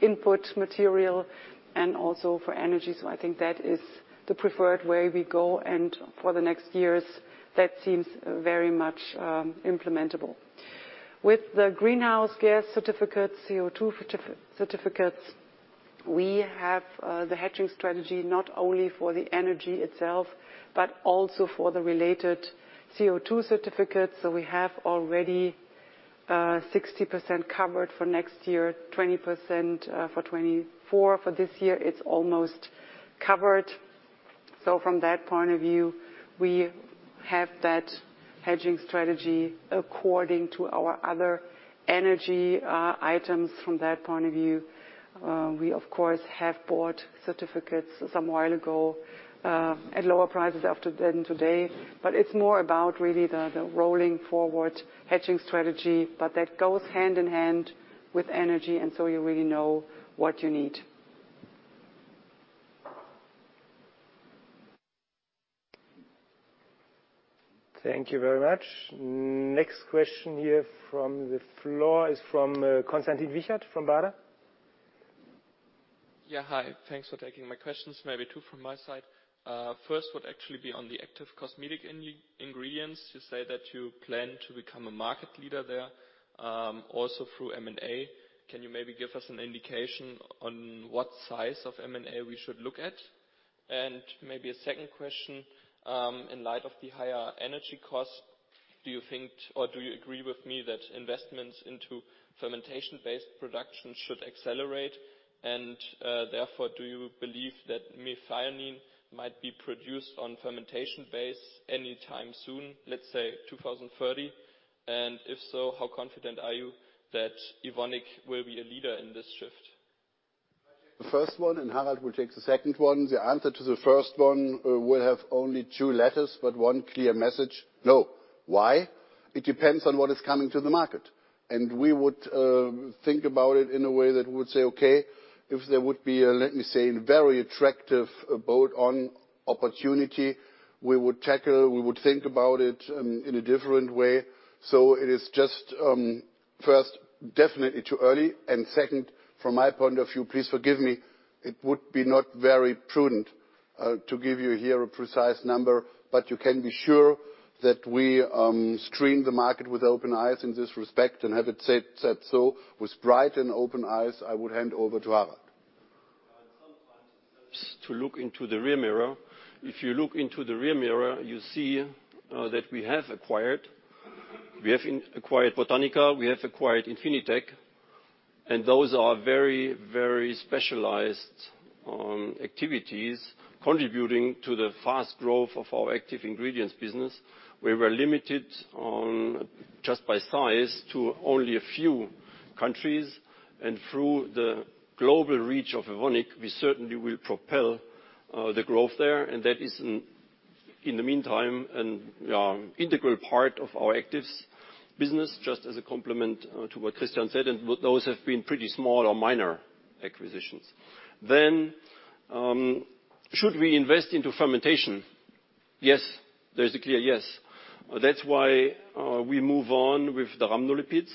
input material and also for energy. I think that is the preferred way we go and for the next years that seems very much implementable. With the greenhouse gas certificates, CO2 certificates, we have the hedging strategy not only for the energy itself but also for the related CO2 certificates. We have already 60% covered for next year, 20% for 2024. For this year, it's almost covered. From that point of view, we have that hedging strategy according to our other energy items from that point of view. We of course have bought certificates some while ago at lower prices after than today. It's more about really the rolling forward hedging strategy, but that goes hand in hand with energy, and so you really know what you need. Thank you very much. Next question here from the floor is from Konstantin Wiechert from Baader. Yeah. Hi. Thanks for taking my questions, maybe two from my side. First would actually be on the active cosmetic ingredients. You say that you plan to become a market leader there, also through M&A. Can you maybe give us an indication on what size of M&A we should look at? Maybe a second question, in light of the higher energy costs, do you think or do you agree with me that investments into fermentation-based production should accelerate? Therefore, do you believe that methionine might be produced on fermentation basis anytime soon, let's say 2030? And if so, how confident are you that Evonik will be a leader in this shift? I'll take the first one, and Harald will take the second one. The answer to the first one will have only two letters, but one clear message. No. Why? It depends on what is coming to the market. We would think about it in a way that would say, okay, if there would be a, let me say, very attractive bolt-on opportunity, we would think about it in a different way. It is just first, definitely too early, and second, from my point of view, please forgive me, it would be not very prudent to give you here a precise number. You can be sure that we screen the market with open eyes in this respect. Having said so, with bright and open eyes, I would hand over to Harald. Sometimes it helps to look into the rear mirror. If you look into the rear mirror, you see that we have acquired Botanica and Infinitec, and those are very, very specialized activities contributing to the fast growth of our active ingredients business. We were limited only by size to only a few countries, and through the global reach of Evonik, we certainly will propel the growth there. That is, in the meantime, an integral part of our actives business, just as a complement to what Christian said, and those have been pretty small or minor acquisitions. Should we invest into fermentation? Yes. There's a clear yes. That's why we move on with the rhamnolipids.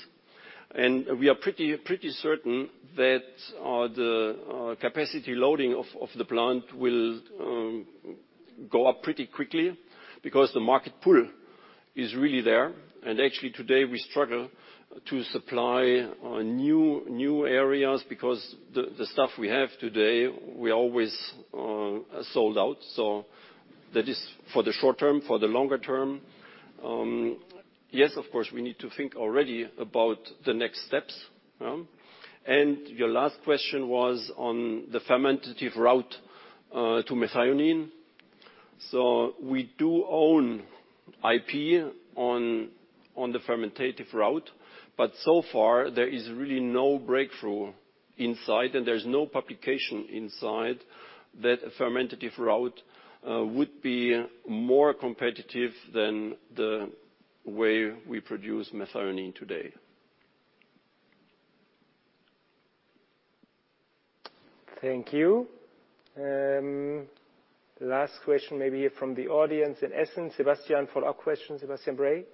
We are pretty certain that the capacity loading of the plant will go up pretty quickly because the market pull is really there. Actually, today, we struggle to supply new areas because the stuff we have today we always sold out. That is for the short term. For the longer term, yes, of course, we need to think already about the next steps. Your last question was on the fermentative route to methionine. We do own IP on the fermentative route, but so far there is really no breakthrough in sight, and there's no publication in sight that a fermentative route would be more competitive than the way we produce methionine today. Thank you. Last question maybe from the audience in Essen. Sebastian, follow-up question, Sebastian Bray?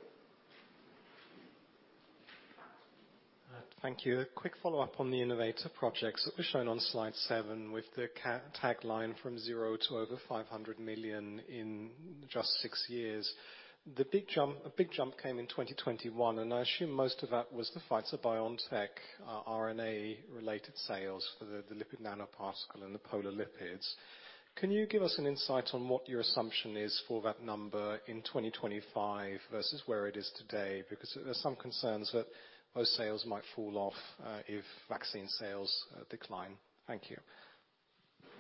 Thank you. A quick follow-up on the innovation projects shown on slide seven with the catchy tagline from zero to over 500 million in just six years. A big jump came in 2021, and I assume most of that was the BioNTech RNA-related sales for the lipid nanoparticle and the polar lipids. Can you give us an insight on what your assumption is for that number in 2025 versus where it is today? Because there's some concerns that those sales might fall off if vaccine sales decline. Thank you.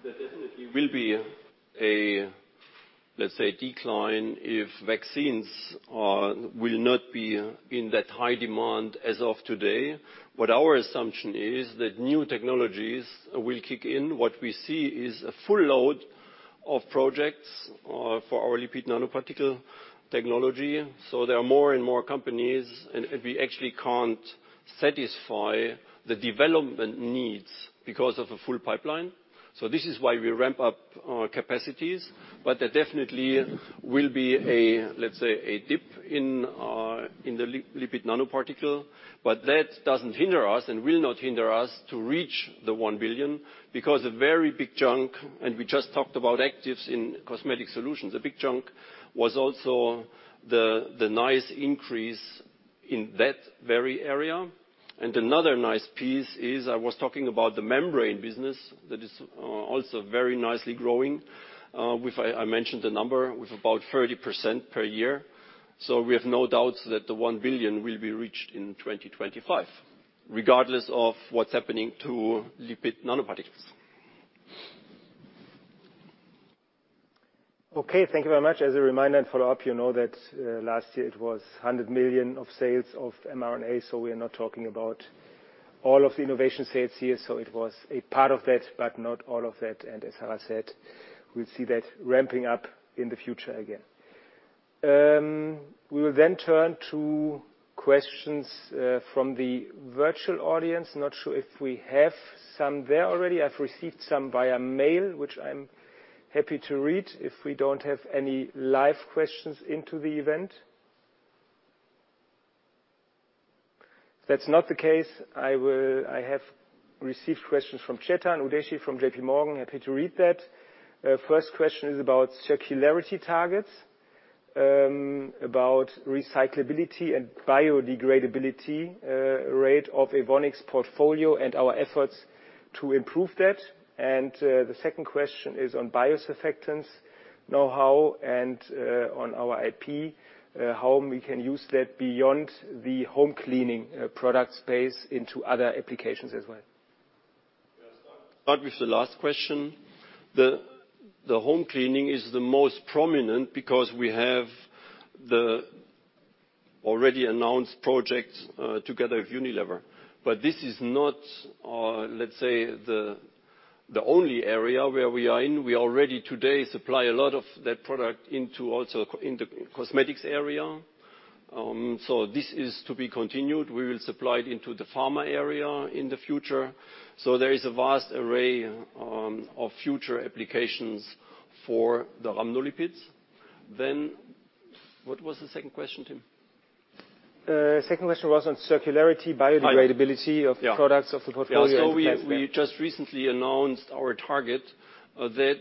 There definitely will be a, let's say, decline if vaccines will not be in that high demand as of today. What our assumption is that new technologies will kick in. What we see is a full load of projects for our lipid nanoparticle technology. There are more and more companies, and we actually can't satisfy the development needs because of a full pipeline. This is why we ramp up our capacities. There definitely will be a, let's say, a dip in the lipid nanoparticle. That doesn't hinder us and will not hinder us to reach the 1 billion because a very big chunk, and we just talked about actives in cosmetic solutions, a big chunk was also the nice increase in that very area. Another nice piece is I was talking about the membrane business that is also very nicely growing with I mentioned the number with about 30% per year. We have no doubts that the 1 billion will be reached in 2025, regardless of what's happening to lipid nanoparticles. Okay, thank you very much. As a reminder and follow-up, you know that, last year it was 100 million of sales of mRNA, so we are not talking about all of the innovation sales here. It was a part of that, but not all of that. As Harald said, we'll see that ramping up in the future again. We will turn to questions from the virtual audience. Not sure if we have some there already. I've received some via mail, which I'm happy to read if we don't have any live questions into the event. That's not the case. I have received questions from Chetan Udeshi from JPMorgan. Happy to read that. First question is about circularity targets, about recyclability and biodegradability, rate of Evonik's portfolio and our efforts to improve that. The second question is on biosurfactants know-how and, on our IP, how we can use that beyond the home cleaning product space into other applications as well. I'll start with the last question. The home cleaning is the most prominent because we have the already announced projects together with Unilever. This is not, let's say, the only area where we are in. We already today supply a lot of that product into also the cosmetics area. This is to be continued. We will supply it into the pharma area in the future. There is a vast array of future applications for the rhamnolipids. What was the second question, Tim? Second question was on circularity, biodegradability. Yeah. of products of the portfolio We just recently announced our target that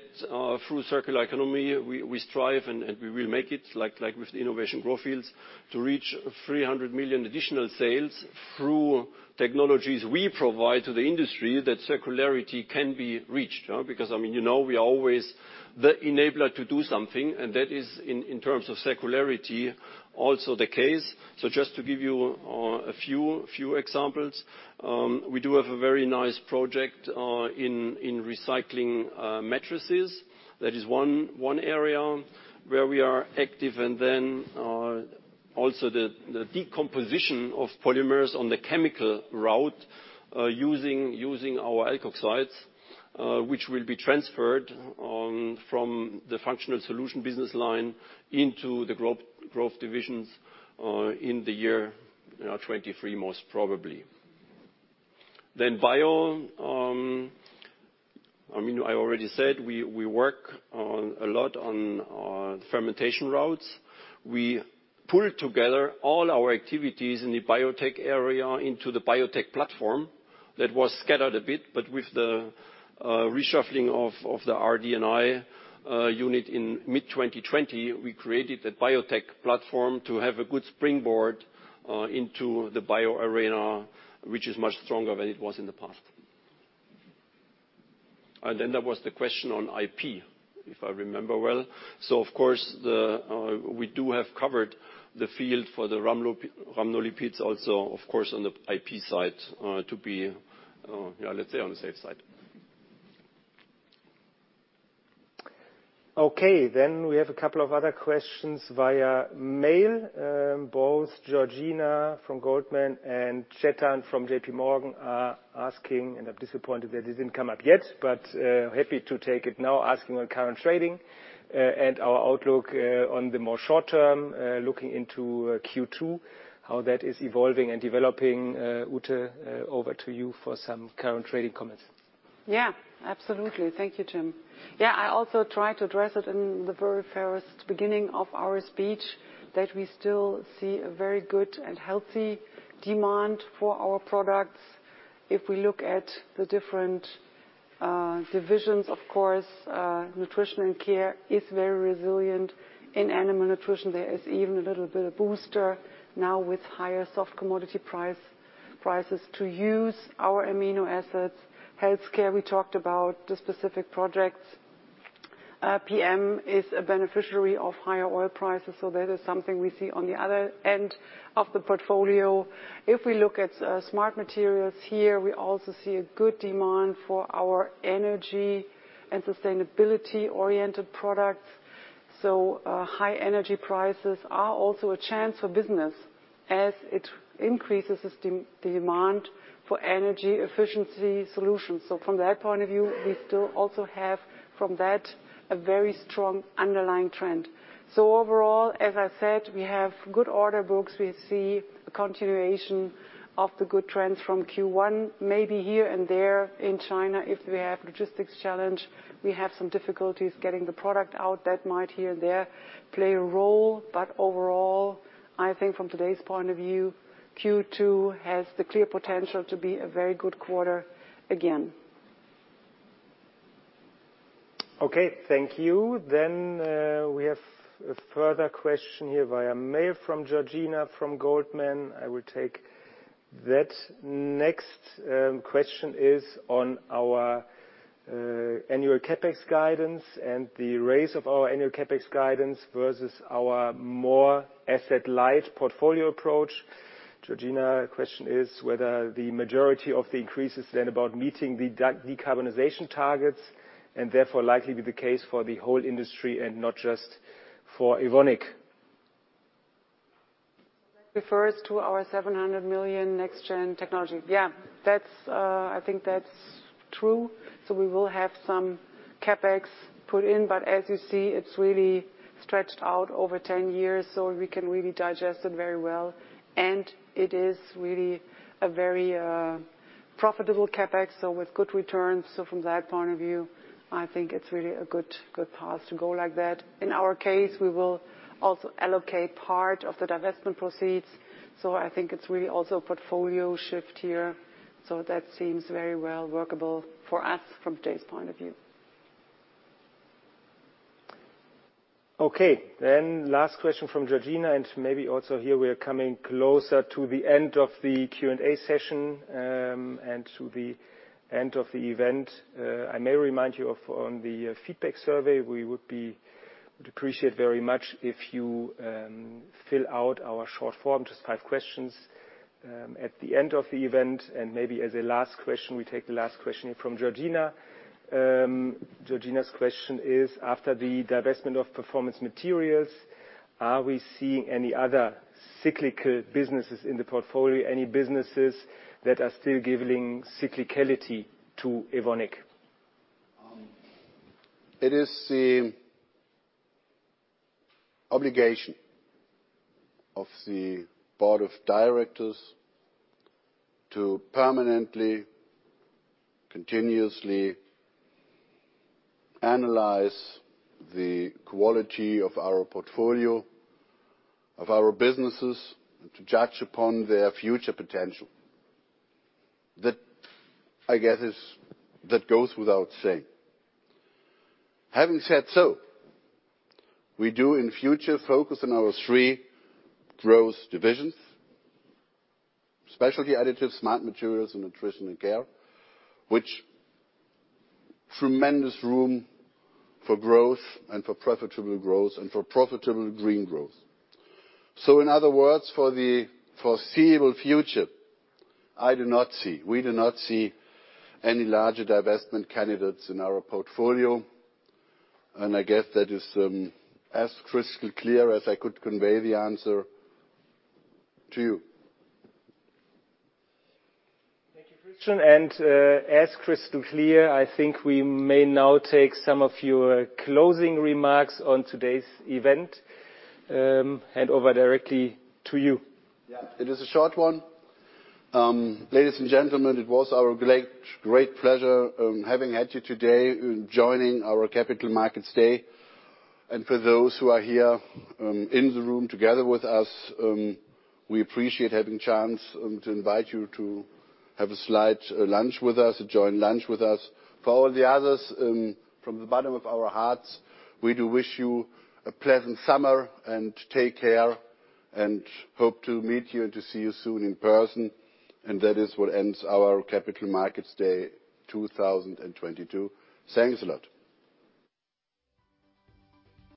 through circular economy, we strive and we will make it, like with the innovation growth fields, to reach 300 million additional sales through technologies we provide to the industry that circularity can be reached. Because, I mean, you know, we are always the enabler to do something, and that is in terms of circularity also the case. Just to give you a few examples, we do have a very nice project in recycling mattresses. That is one area where we are active. And then also the decomposition of polymers on the chemical route using our alkoxides, which will be transferred from the Functional Solutions business line into the growth divisions in the year 2023, most probably. I mean, I already said we work a lot on fermentation routes. We pulled together all our activities in the biotech area into the biotech platform that was scattered a bit. With the reshuffling of the RD&I unit in mid-2020, we created a biotech platform to have a good springboard into the bio arena, which is much stronger than it was in the past. Then there was the question on IP, if I remember well. Of course we do have covered the field for the rhamnolipids also, of course, on the IP side, to be, yeah, let's say on the safe side. Okay, we have a couple of other questions via mail. Both Georgina from Goldman Sachs and Chetan from JPMorgan are asking, and I'm disappointed that it didn't come up yet, but happy to take it now. Asking on current trading and our outlook on the more short term, looking into Q2, how that is evolving and developing. Ute Wolf, over to you for some current trading comments. Yeah, absolutely. Thank you, Tim. Yeah, I also try to address it in the very first beginning of our speech, that we still see a very good and healthy demand for our products. If we look at the different divisions, of course, Nutrition & Care is very resilient. In animal nutrition, there is even a little bit of booster now with higher soft commodity prices to use our amino acids. Healthcare, we talked about the specific projects. PM is a beneficiary of higher oil prices, so that is something we see on the other end of the portfolio. If we look at Smart Materials here, we also see a good demand for our energy and sustainability-oriented products. So, high energy prices are also a chance for business as it increases the demand for energy efficiency solutions. From that point of view, we still also have from that a very strong underlying trend. Overall, as I said, we have good order books. We see a continuation of the good trends from Q1. Maybe here and there in China, if we have logistics challenge, we have some difficulties getting the product out. That might here and there play a role. Overall, I think from today's point of view, Q2 has the clear potential to be a very good quarter again. Okay, thank you. We have a further question here via mail from Georgina from Goldman. I will take that. Next, question is on our annual CapEx guidance and the raise of our annual CapEx guidance versus our more asset-light portfolio approach. Georgina, question is whether the majority of the increase is then about meeting the decarbonization targets and therefore likely be the case for the whole industry and not just for Evonik. Refers to our 700 million NextGen Technology. Yeah, that's, I think that's true. We will have some CapEx put in, but as you see, it's really stretched out over 10 years, so we can really digest it very well. It is really a very profitable CapEx, so with good returns. From that point of view, I think it's really a good path to go like that. In our case, we will also allocate part of the divestment proceeds, so I think it's really also a portfolio shift here. That seems very well workable for us from today's point of view. Okay. Last question from Georgina, and maybe also here we are coming closer to the end of the Q&A session, and to the end of the event. I may remind you on the feedback survey. We would appreciate very much if you fill out our short form, just five questions, at the end of the event. Maybe as a last question, we take the last question from Georgina. Georgina's question is, after the divestment of Performance Materials, are we seeing any other cyclical businesses in the portfolio? Any businesses that are still giving cyclicality to Evonik? It is the obligation of the board of directors to permanently, continuously analyze the quality of our portfolio, of our businesses, and to judge upon their future potential. That goes without saying. Having said so, we do in future focus on our three growth divisions, Specialty Additives, Smart Materials, and Nutrition & Care, which tremendous room for growth and for profitable growth and for profitable green growth. In other words, for the foreseeable future, I do not see, we do not see any larger divestment candidates in our portfolio. I guess that is as crystal clear as I could convey the answer to you. Thank you, Christian. As it's crystal clear, I think we may now take some of your closing remarks on today's event, hand over directly to you. Yeah, it is a short one. Ladies and gentlemen, it was our great pleasure having had you today joining our Capital Markets Day. For those who are here in the room together with us, we appreciate having chance to invite you to have a light lunch with us, a joint lunch with us. For all the others, from the bottom of our hearts, we do wish you a pleasant summer and take care and hope to meet you and to see you soon in person. That is what ends our Capital Markets Day 2022. Thanks a lot.